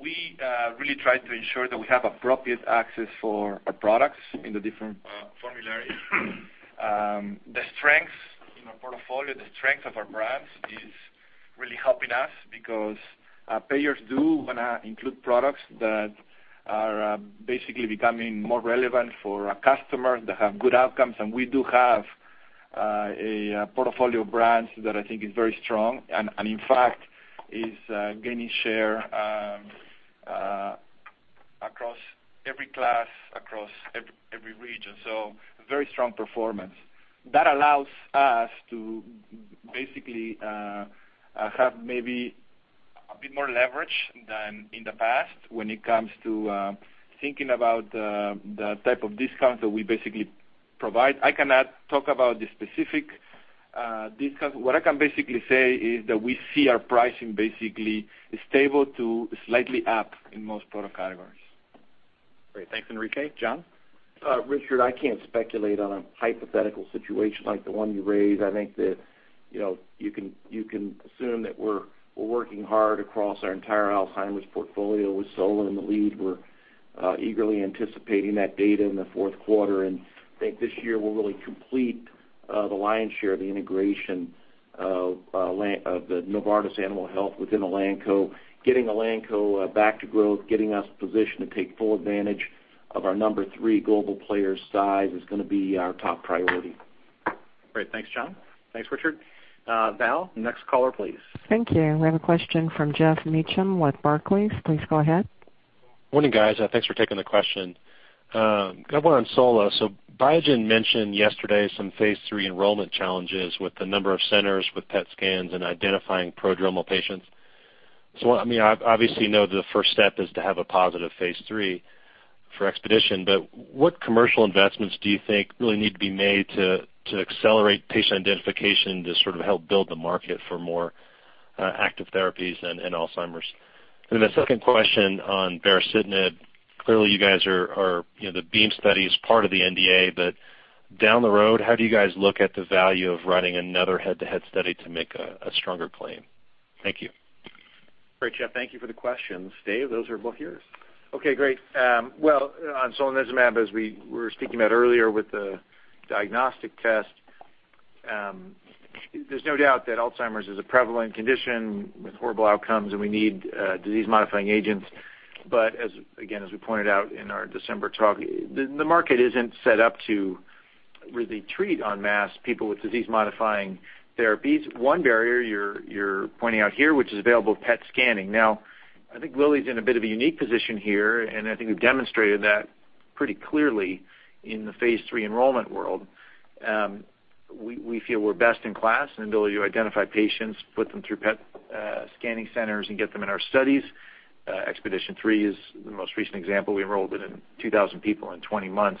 Speaker 9: we really try to ensure that we have appropriate access for our products in the different formularies. The strength in our portfolio, the strength of our brands, is really helping us because payers do want to include products that are basically becoming more relevant for our customers that have good outcomes. We do have a portfolio of brands that I think is very strong and in fact, is gaining share across every class, across every region. A very strong performance. That allows us to basically have maybe a bit more leverage than in the past when it comes to thinking about the type of discounts that we basically provide. I cannot talk about the specific discounts. What I can basically say is that we see our pricing basically stable to slightly up in most product categories.
Speaker 3: Great. Thanks, Enrique. John?
Speaker 2: Richard, I can't speculate on a hypothetical situation like the one you raised. I think that you can assume that we're working hard across our entire Alzheimer's portfolio with solanezumab. We're eagerly anticipating that data in the fourth quarter, and I think this year we'll really complete the lion's share of the integration of the Novartis Animal Health within Elanco. Getting Elanco back to growth, getting us positioned to take full advantage of our number 3 global player size is going to be our top priority.
Speaker 3: Great. Thanks, John. Thanks, Richard. Val, next caller, please.
Speaker 1: Thank you. We have a question from Geoff Meacham with Barclays. Please go ahead.
Speaker 26: Morning, guys. Thanks for taking the question. Got one on solanezumab. Biogen mentioned yesterday some phase III enrollment challenges with the number of centers with PET scans and identifying prodromal patients. I obviously know the first step is to have a positive phase III for EXPEDITION, but what commercial investments do you think really need to be made to accelerate patient identification to sort of help build the market for more active therapies in Alzheimer's? A second question on baricitinib. Clearly, the BEAM study is part of the NDA, but down the road, how do you guys look at the value of running another head-to-head study to make a stronger claim? Thank you.
Speaker 3: Great, Jeff. Thank you for the questions. Dave, those are both yours.
Speaker 7: Okay, great. Well, on solanezumab, as we were speaking about earlier with the diagnostic test, there's no doubt that Alzheimer's is a prevalent condition with horrible outcomes, and we need disease-modifying agents. Again, as we pointed out in our December talk, the market isn't set up to really treat en masse people with disease-modifying therapies. One barrier you're pointing out here, which is available PET scanning. Now, I think Lilly's in a bit of a unique position here, and I think we've demonstrated that pretty clearly in the phase III enrollment world. We feel we're best in class in ability to identify patients, put them through PET scanning centers, and get them in our studies. EXPEDITION3 is the most recent example. We enrolled 2,000 people in 20 months.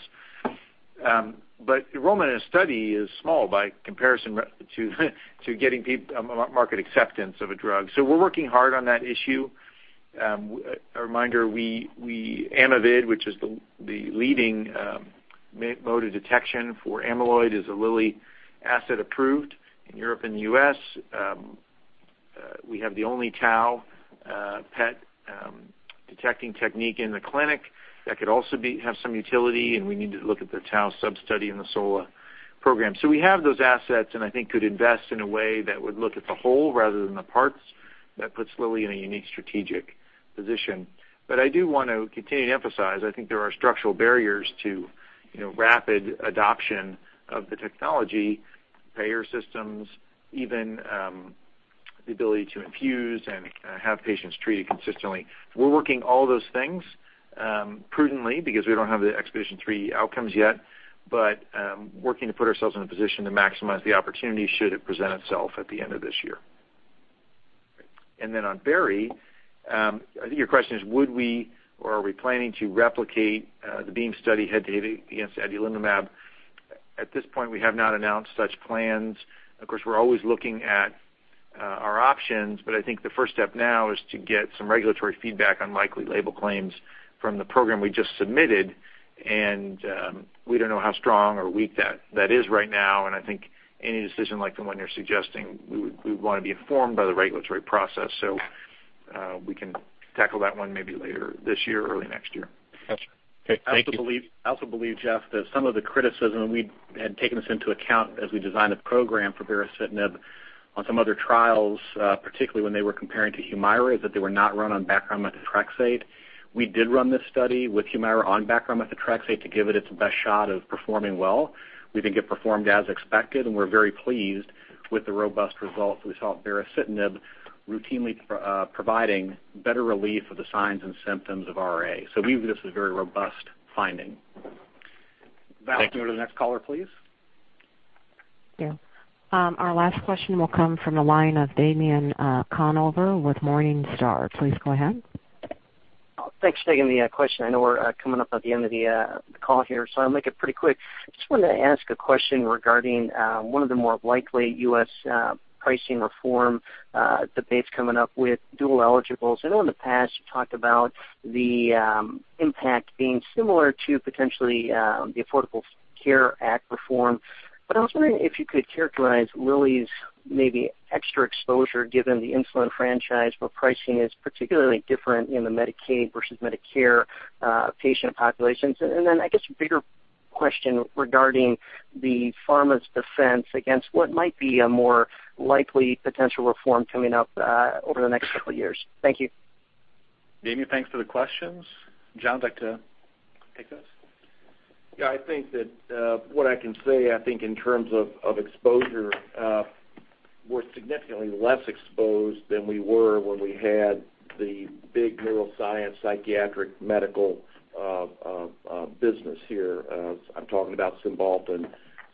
Speaker 7: Enrollment in a study is small by comparison to market acceptance of a drug. We're working hard on that issue. A reminder, Amyvid, which is the leading mode of detection for amyloid, is a Lilly asset approved in Europe and the U.S. We have the only tau PET detecting technique in the clinic that could also have some utility, and we need to look at the tau sub-study in the solanezumab program. We have those assets and I think could invest in a way that would look at the whole rather than the parts that puts Lilly in a unique strategic position. I do want to continue to emphasize, I think there are structural barriers to rapid adoption of the technology, payer systems, even the ability to infuse and have patients treated consistently. We're working all those things prudently because we don't have the EXPEDITION3 outcomes yet, but working to put ourselves in a position to maximize the opportunity should it present itself at the end of this year. On baricitinib, I think your question is would we or are we planning to replicate the BEAM study head-to-head against adalimumab? At this point, we have not announced such plans. Of course, we're always looking at our options, I think the first step now is to get some regulatory feedback on likely label claims from the program we just submitted, and we don't know how strong or weak that is right now, I think any decision like the one you're suggesting, we would want to be informed by the regulatory process. We can tackle that one maybe later this year or early next year.
Speaker 26: Got you. Okay, thank you.
Speaker 7: I also believe, Geoff, that some of the criticism, we had taken this into account as we designed the program for baricitinib on some other trials, particularly when they were comparing to HUMIRA, is that they were not run on background methotrexate. We did run this study with HUMIRA on background methotrexate to give it its best shot of performing well. We think it performed as expected, and we are very pleased with the robust results we saw of baricitinib routinely providing better relief of the signs and symptoms of RA. We view this as a very robust finding.
Speaker 26: Thank you.
Speaker 3: Val, can we go to the next caller, please?
Speaker 1: Sure. Our last question will come from the line of Damien Conover with Morningstar. Please go ahead.
Speaker 27: Thanks for taking the question. I know we're coming up at the end of the call here, so I'll make it pretty quick. I just wanted to ask a question regarding one of the more likely U.S. pricing reform debates coming up with dual eligibles. I know in the past you talked about the impact being similar to potentially the Affordable Care Act reform, but I was wondering if you could characterize Lilly's maybe extra exposure given the insulin franchise, where pricing is particularly different in the Medicaid versus Medicare patient populations. I guess a bigger question regarding the pharma's defense against what might be a more likely potential reform coming up over the next couple of years. Thank you.
Speaker 3: Damien, thanks for the questions. John, would you like to take this?
Speaker 2: I think that what I can say, I think in terms of exposure, we're significantly less exposed than we were when we had the big neuroscience psychiatric medical business here. I'm talking about Cymbalta and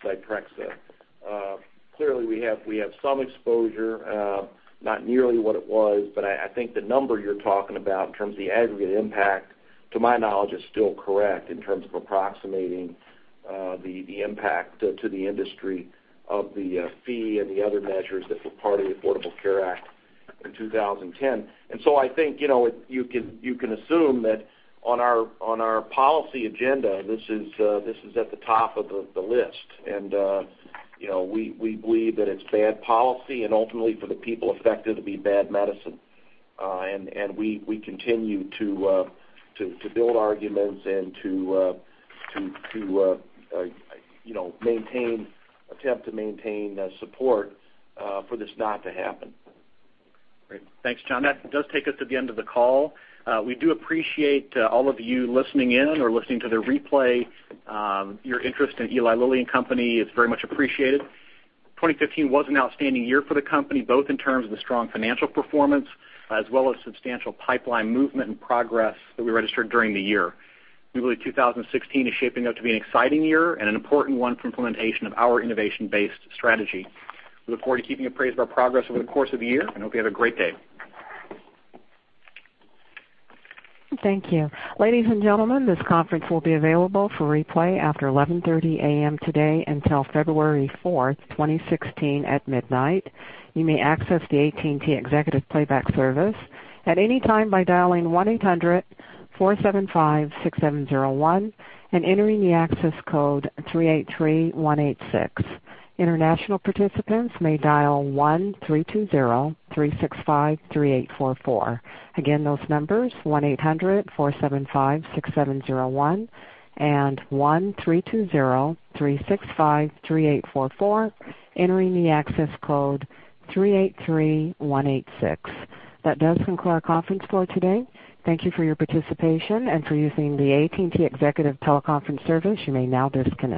Speaker 2: Zyprexa. Clearly, we have some exposure, not nearly what it was, but I think the number you're talking about in terms of the aggregate impact, to my knowledge, is still correct in terms of approximating the impact to the industry of the fee and the other measures that were part of the Affordable Care Act in 2010. I think you can assume that on our policy agenda, this is at the top of the list. We believe that it's bad policy and ultimately for the people affected, it'll be bad medicine. We continue to build arguments and to attempt to maintain support for this not to happen.
Speaker 3: Great. Thanks, John. That does take us to the end of the call. We do appreciate all of you listening in or listening to the replay. Your interest in Eli Lilly and Company is very much appreciated. 2015 was an outstanding year for the company, both in terms of the strong financial performance as well as substantial pipeline movement and progress that we registered during the year. We believe 2016 is shaping up to be an exciting year and an important one for implementation of our innovation-based strategy. We look forward to keeping you apprised of our progress over the course of the year. Hope you have a great day.
Speaker 1: Thank you. Ladies and gentlemen, this conference will be available for replay after 11:30 AM today until February 4th, 2016 at midnight. You may access the AT&T Executive Playback service at any time by dialing 1-800-475-6701 and entering the access code 383186. International participants may dial 1-320-365-3844. Again, those numbers, 1-800-475-6701 and 1-320-365-3844, entering the access code 383186. That does conclude our conference for today. Thank you for your participation and for using the AT&T Executive Teleconference Service. You may now disconnect